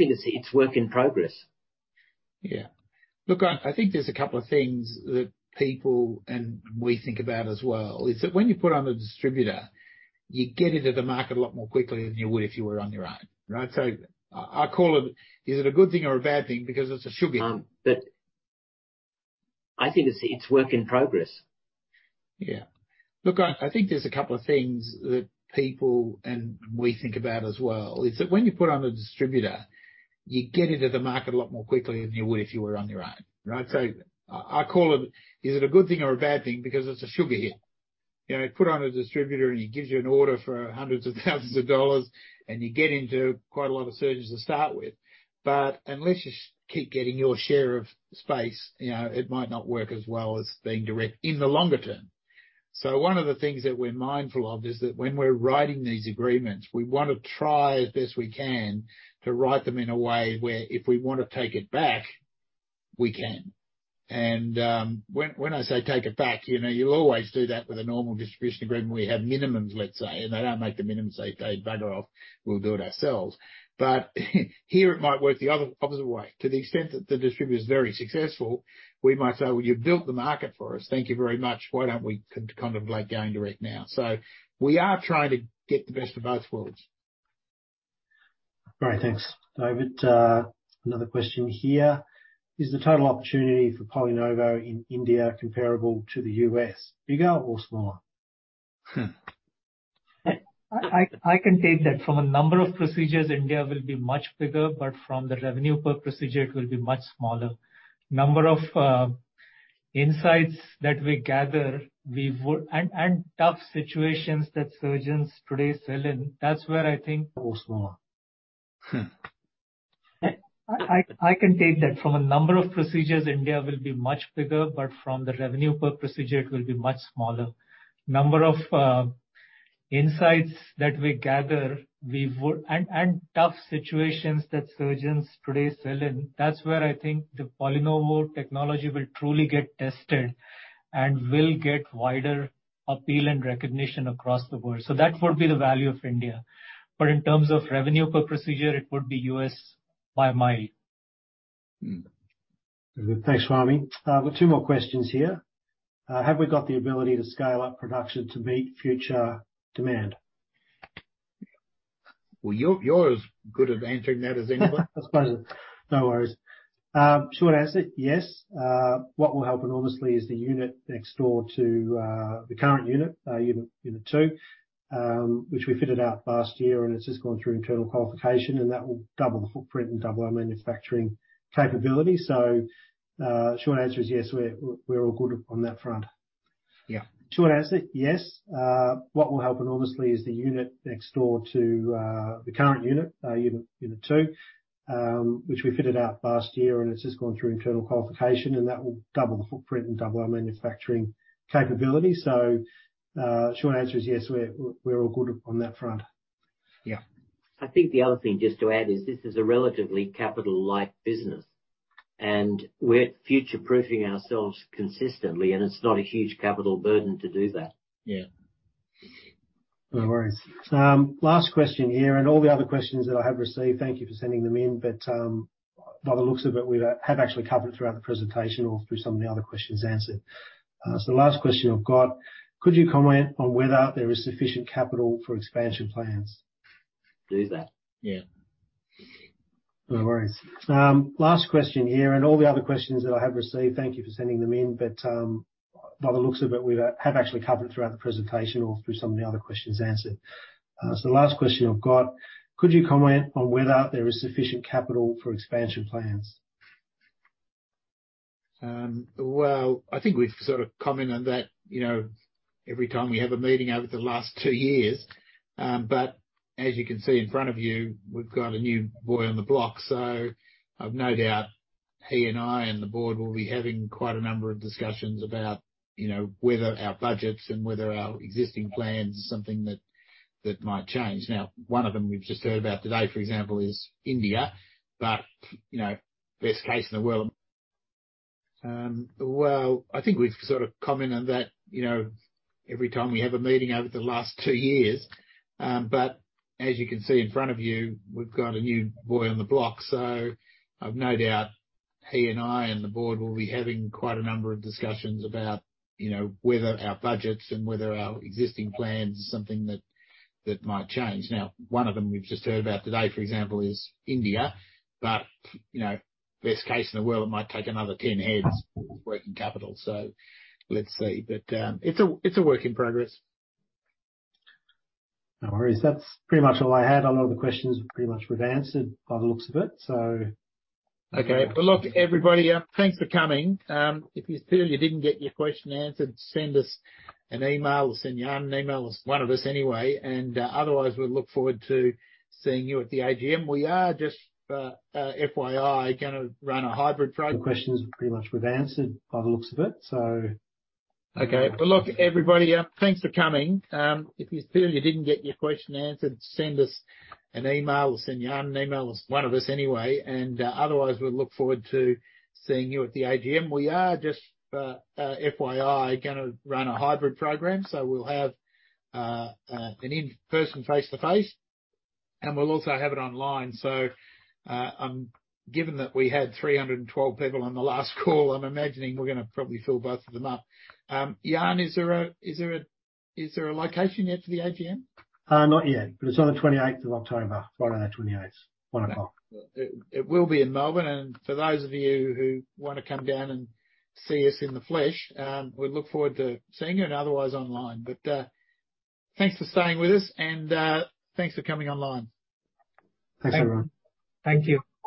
it's work in progress. Yeah. Look, I think there's a couple of things that people and we think about as well, is that when you put on a distributor, you get into the market a lot more quickly than you would if you were on your own, right? So I call it, is it a good thing or a bad thing? Because it's a sugar hit. I think it's work in progress. Yeah. Look, I think there's a couple of things that people and we think about as well, is that when you put on a distributor, you get into the market a lot more quickly than you would if you were on your own, right? I call it, is it a good thing or a bad thing? Because it's a sugar hit. You know, you put on a distributor and he gives you an order for hundreds of thousands of dollars, and you get into quite a lot of surgeries to start with. Unless you keep getting your share of space, you know, it might not work as well as being direct in the longer term. One of the things that we're mindful of is that when we're writing these agreements, we wanna try as best we can to write them in a way where if we wanna take it back, we can. When I say take it back, you know, you always do that with a normal distribution agreement where you have minimums, let's say, and they don't make the minimums, say, "Okay, bugger off, we'll do it ourselves." Here it might work the other opposite way. To the extent that the distributor is very successful, we might say, "Well, you built the market for us. Thank you very much. Why don't we kind of like going direct now?" We are trying to get the best of both worlds. Great. Thanks, David. Another question here: Is the total opportunity for PolyNovo in India comparable to the U.S., bigger or smaller? Hmm. I can take that. From a number of procedures, India will be much bigger, but from the revenue per procedure, it will be much smaller. Number of insights that we gather, we will. Tough situations that surgeons today sell in, that's where I think. Smaller. I can take that. From a number of procedures, India will be much bigger, but from the revenue per procedure, it will be much smaller. Number of insights that we gather, tough situations that surgeons today face in, that's where I think the PolyNovo technology will truly get tested and will get wider appeal and recognition across the world. That would be the value of India. In terms of revenue per procedure, it would be less by a mile. Hmm. Very good. Thanks, Swami. I've got two more questions here. Have we got the ability to scale up production to meet future demand? Well, you're as good at answering that as anyone. I suppose. No worries. Short answer, yes. What will help enormously is the unit next door to the current unit two, which we fitted out last year and it's just gone through internal qualification, and that will double the footprint and double our manufacturing capability. Short answer is yes, we're all good on that front. Yeah. Short answer, yes. What will help enormously is the unit next door to the current unit two, which we fitted out last year and it's just gone through internal qualification, and that will double the footprint and double our manufacturing capability. Short answer is yes, we're all good on that front. Yeah. I think the other thing, just to add, is this is a relatively capital-light business, and we're future-proofing ourselves consistently, and it's not a huge capital burden to do that. Yeah. No worries. Last question here, and all the other questions that I have received, thank you for sending them in, but, by the looks of it, we have actually covered throughout the presentation or through some of the other questions answered. The last question I've got: Could you comment on whether there is sufficient capital for expansion plans? There is that. Yeah. No worries. Last question here, and all the other questions that I have received, thank you for sending them in, but, by the looks of it, we have actually covered throughout the presentation or through some of the other questions answered. The last question I've got: Could you comment on whether there is sufficient capital for expansion plans? Well, I think we've sort of commented on that, you know, every time we have a meeting over the last two years. But as you can see in front of you, we've got a new boy on the block, so I've no doubt he and I and the board will be having quite a number of discussions about, you know, whether our budgets and whether our existing plans is something that might change. Now, one of them we've just heard about today, for example, is India, but, you know, best case in the world. Well, I think we've sort of commented on that, you know, every time we have a meeting over the last two years. As you can see in front of you, we've got a new boy on the block, so I've no doubt he and I and the board will be having quite a number of discussions about, you know, whether our budgets and whether our existing plans is something that might change. Now, one of them we've just heard about today, for example, is India, but, you know, best case in the world, it might take another 10 million working capital. So let's see. It's a work in progress. No worries. That's pretty much all I had. A lot of the questions pretty much were answered by the looks of it, so. Okay. Well, look, everybody, thanks for coming. If you feel you didn't get your question answered, send us an email. We'll send Jan an email or one of us anyway, otherwise, we look forward to seeing you at the AGM. We are just FYI gonna run a hybrid program. The questions pretty much were answered by the looks of it, so. Okay. Well, look, everybody, thanks for coming. If you feel you didn't get your question answered, send us an email. We'll send Jan an email or one of us anyway, and otherwise, we look forward to seeing you at the AGM. We are just, FYI, gonna run a hybrid program, so we'll have an in-person face-to-face, and we'll also have it online. Given that we had 312 people on the last call, I'm imagining we're gonna probably fill both of them up. Jan, is there a location yet for the AGM? Not yet, but it's on the 28 of October. Friday the 28th, 1:00. It will be in Melbourne, and for those of you who wanna come down and see us in the flesh, we look forward to seeing you and otherwise online. Thanks for staying with us and, thanks for coming online. Thanks, everyone. Thank you.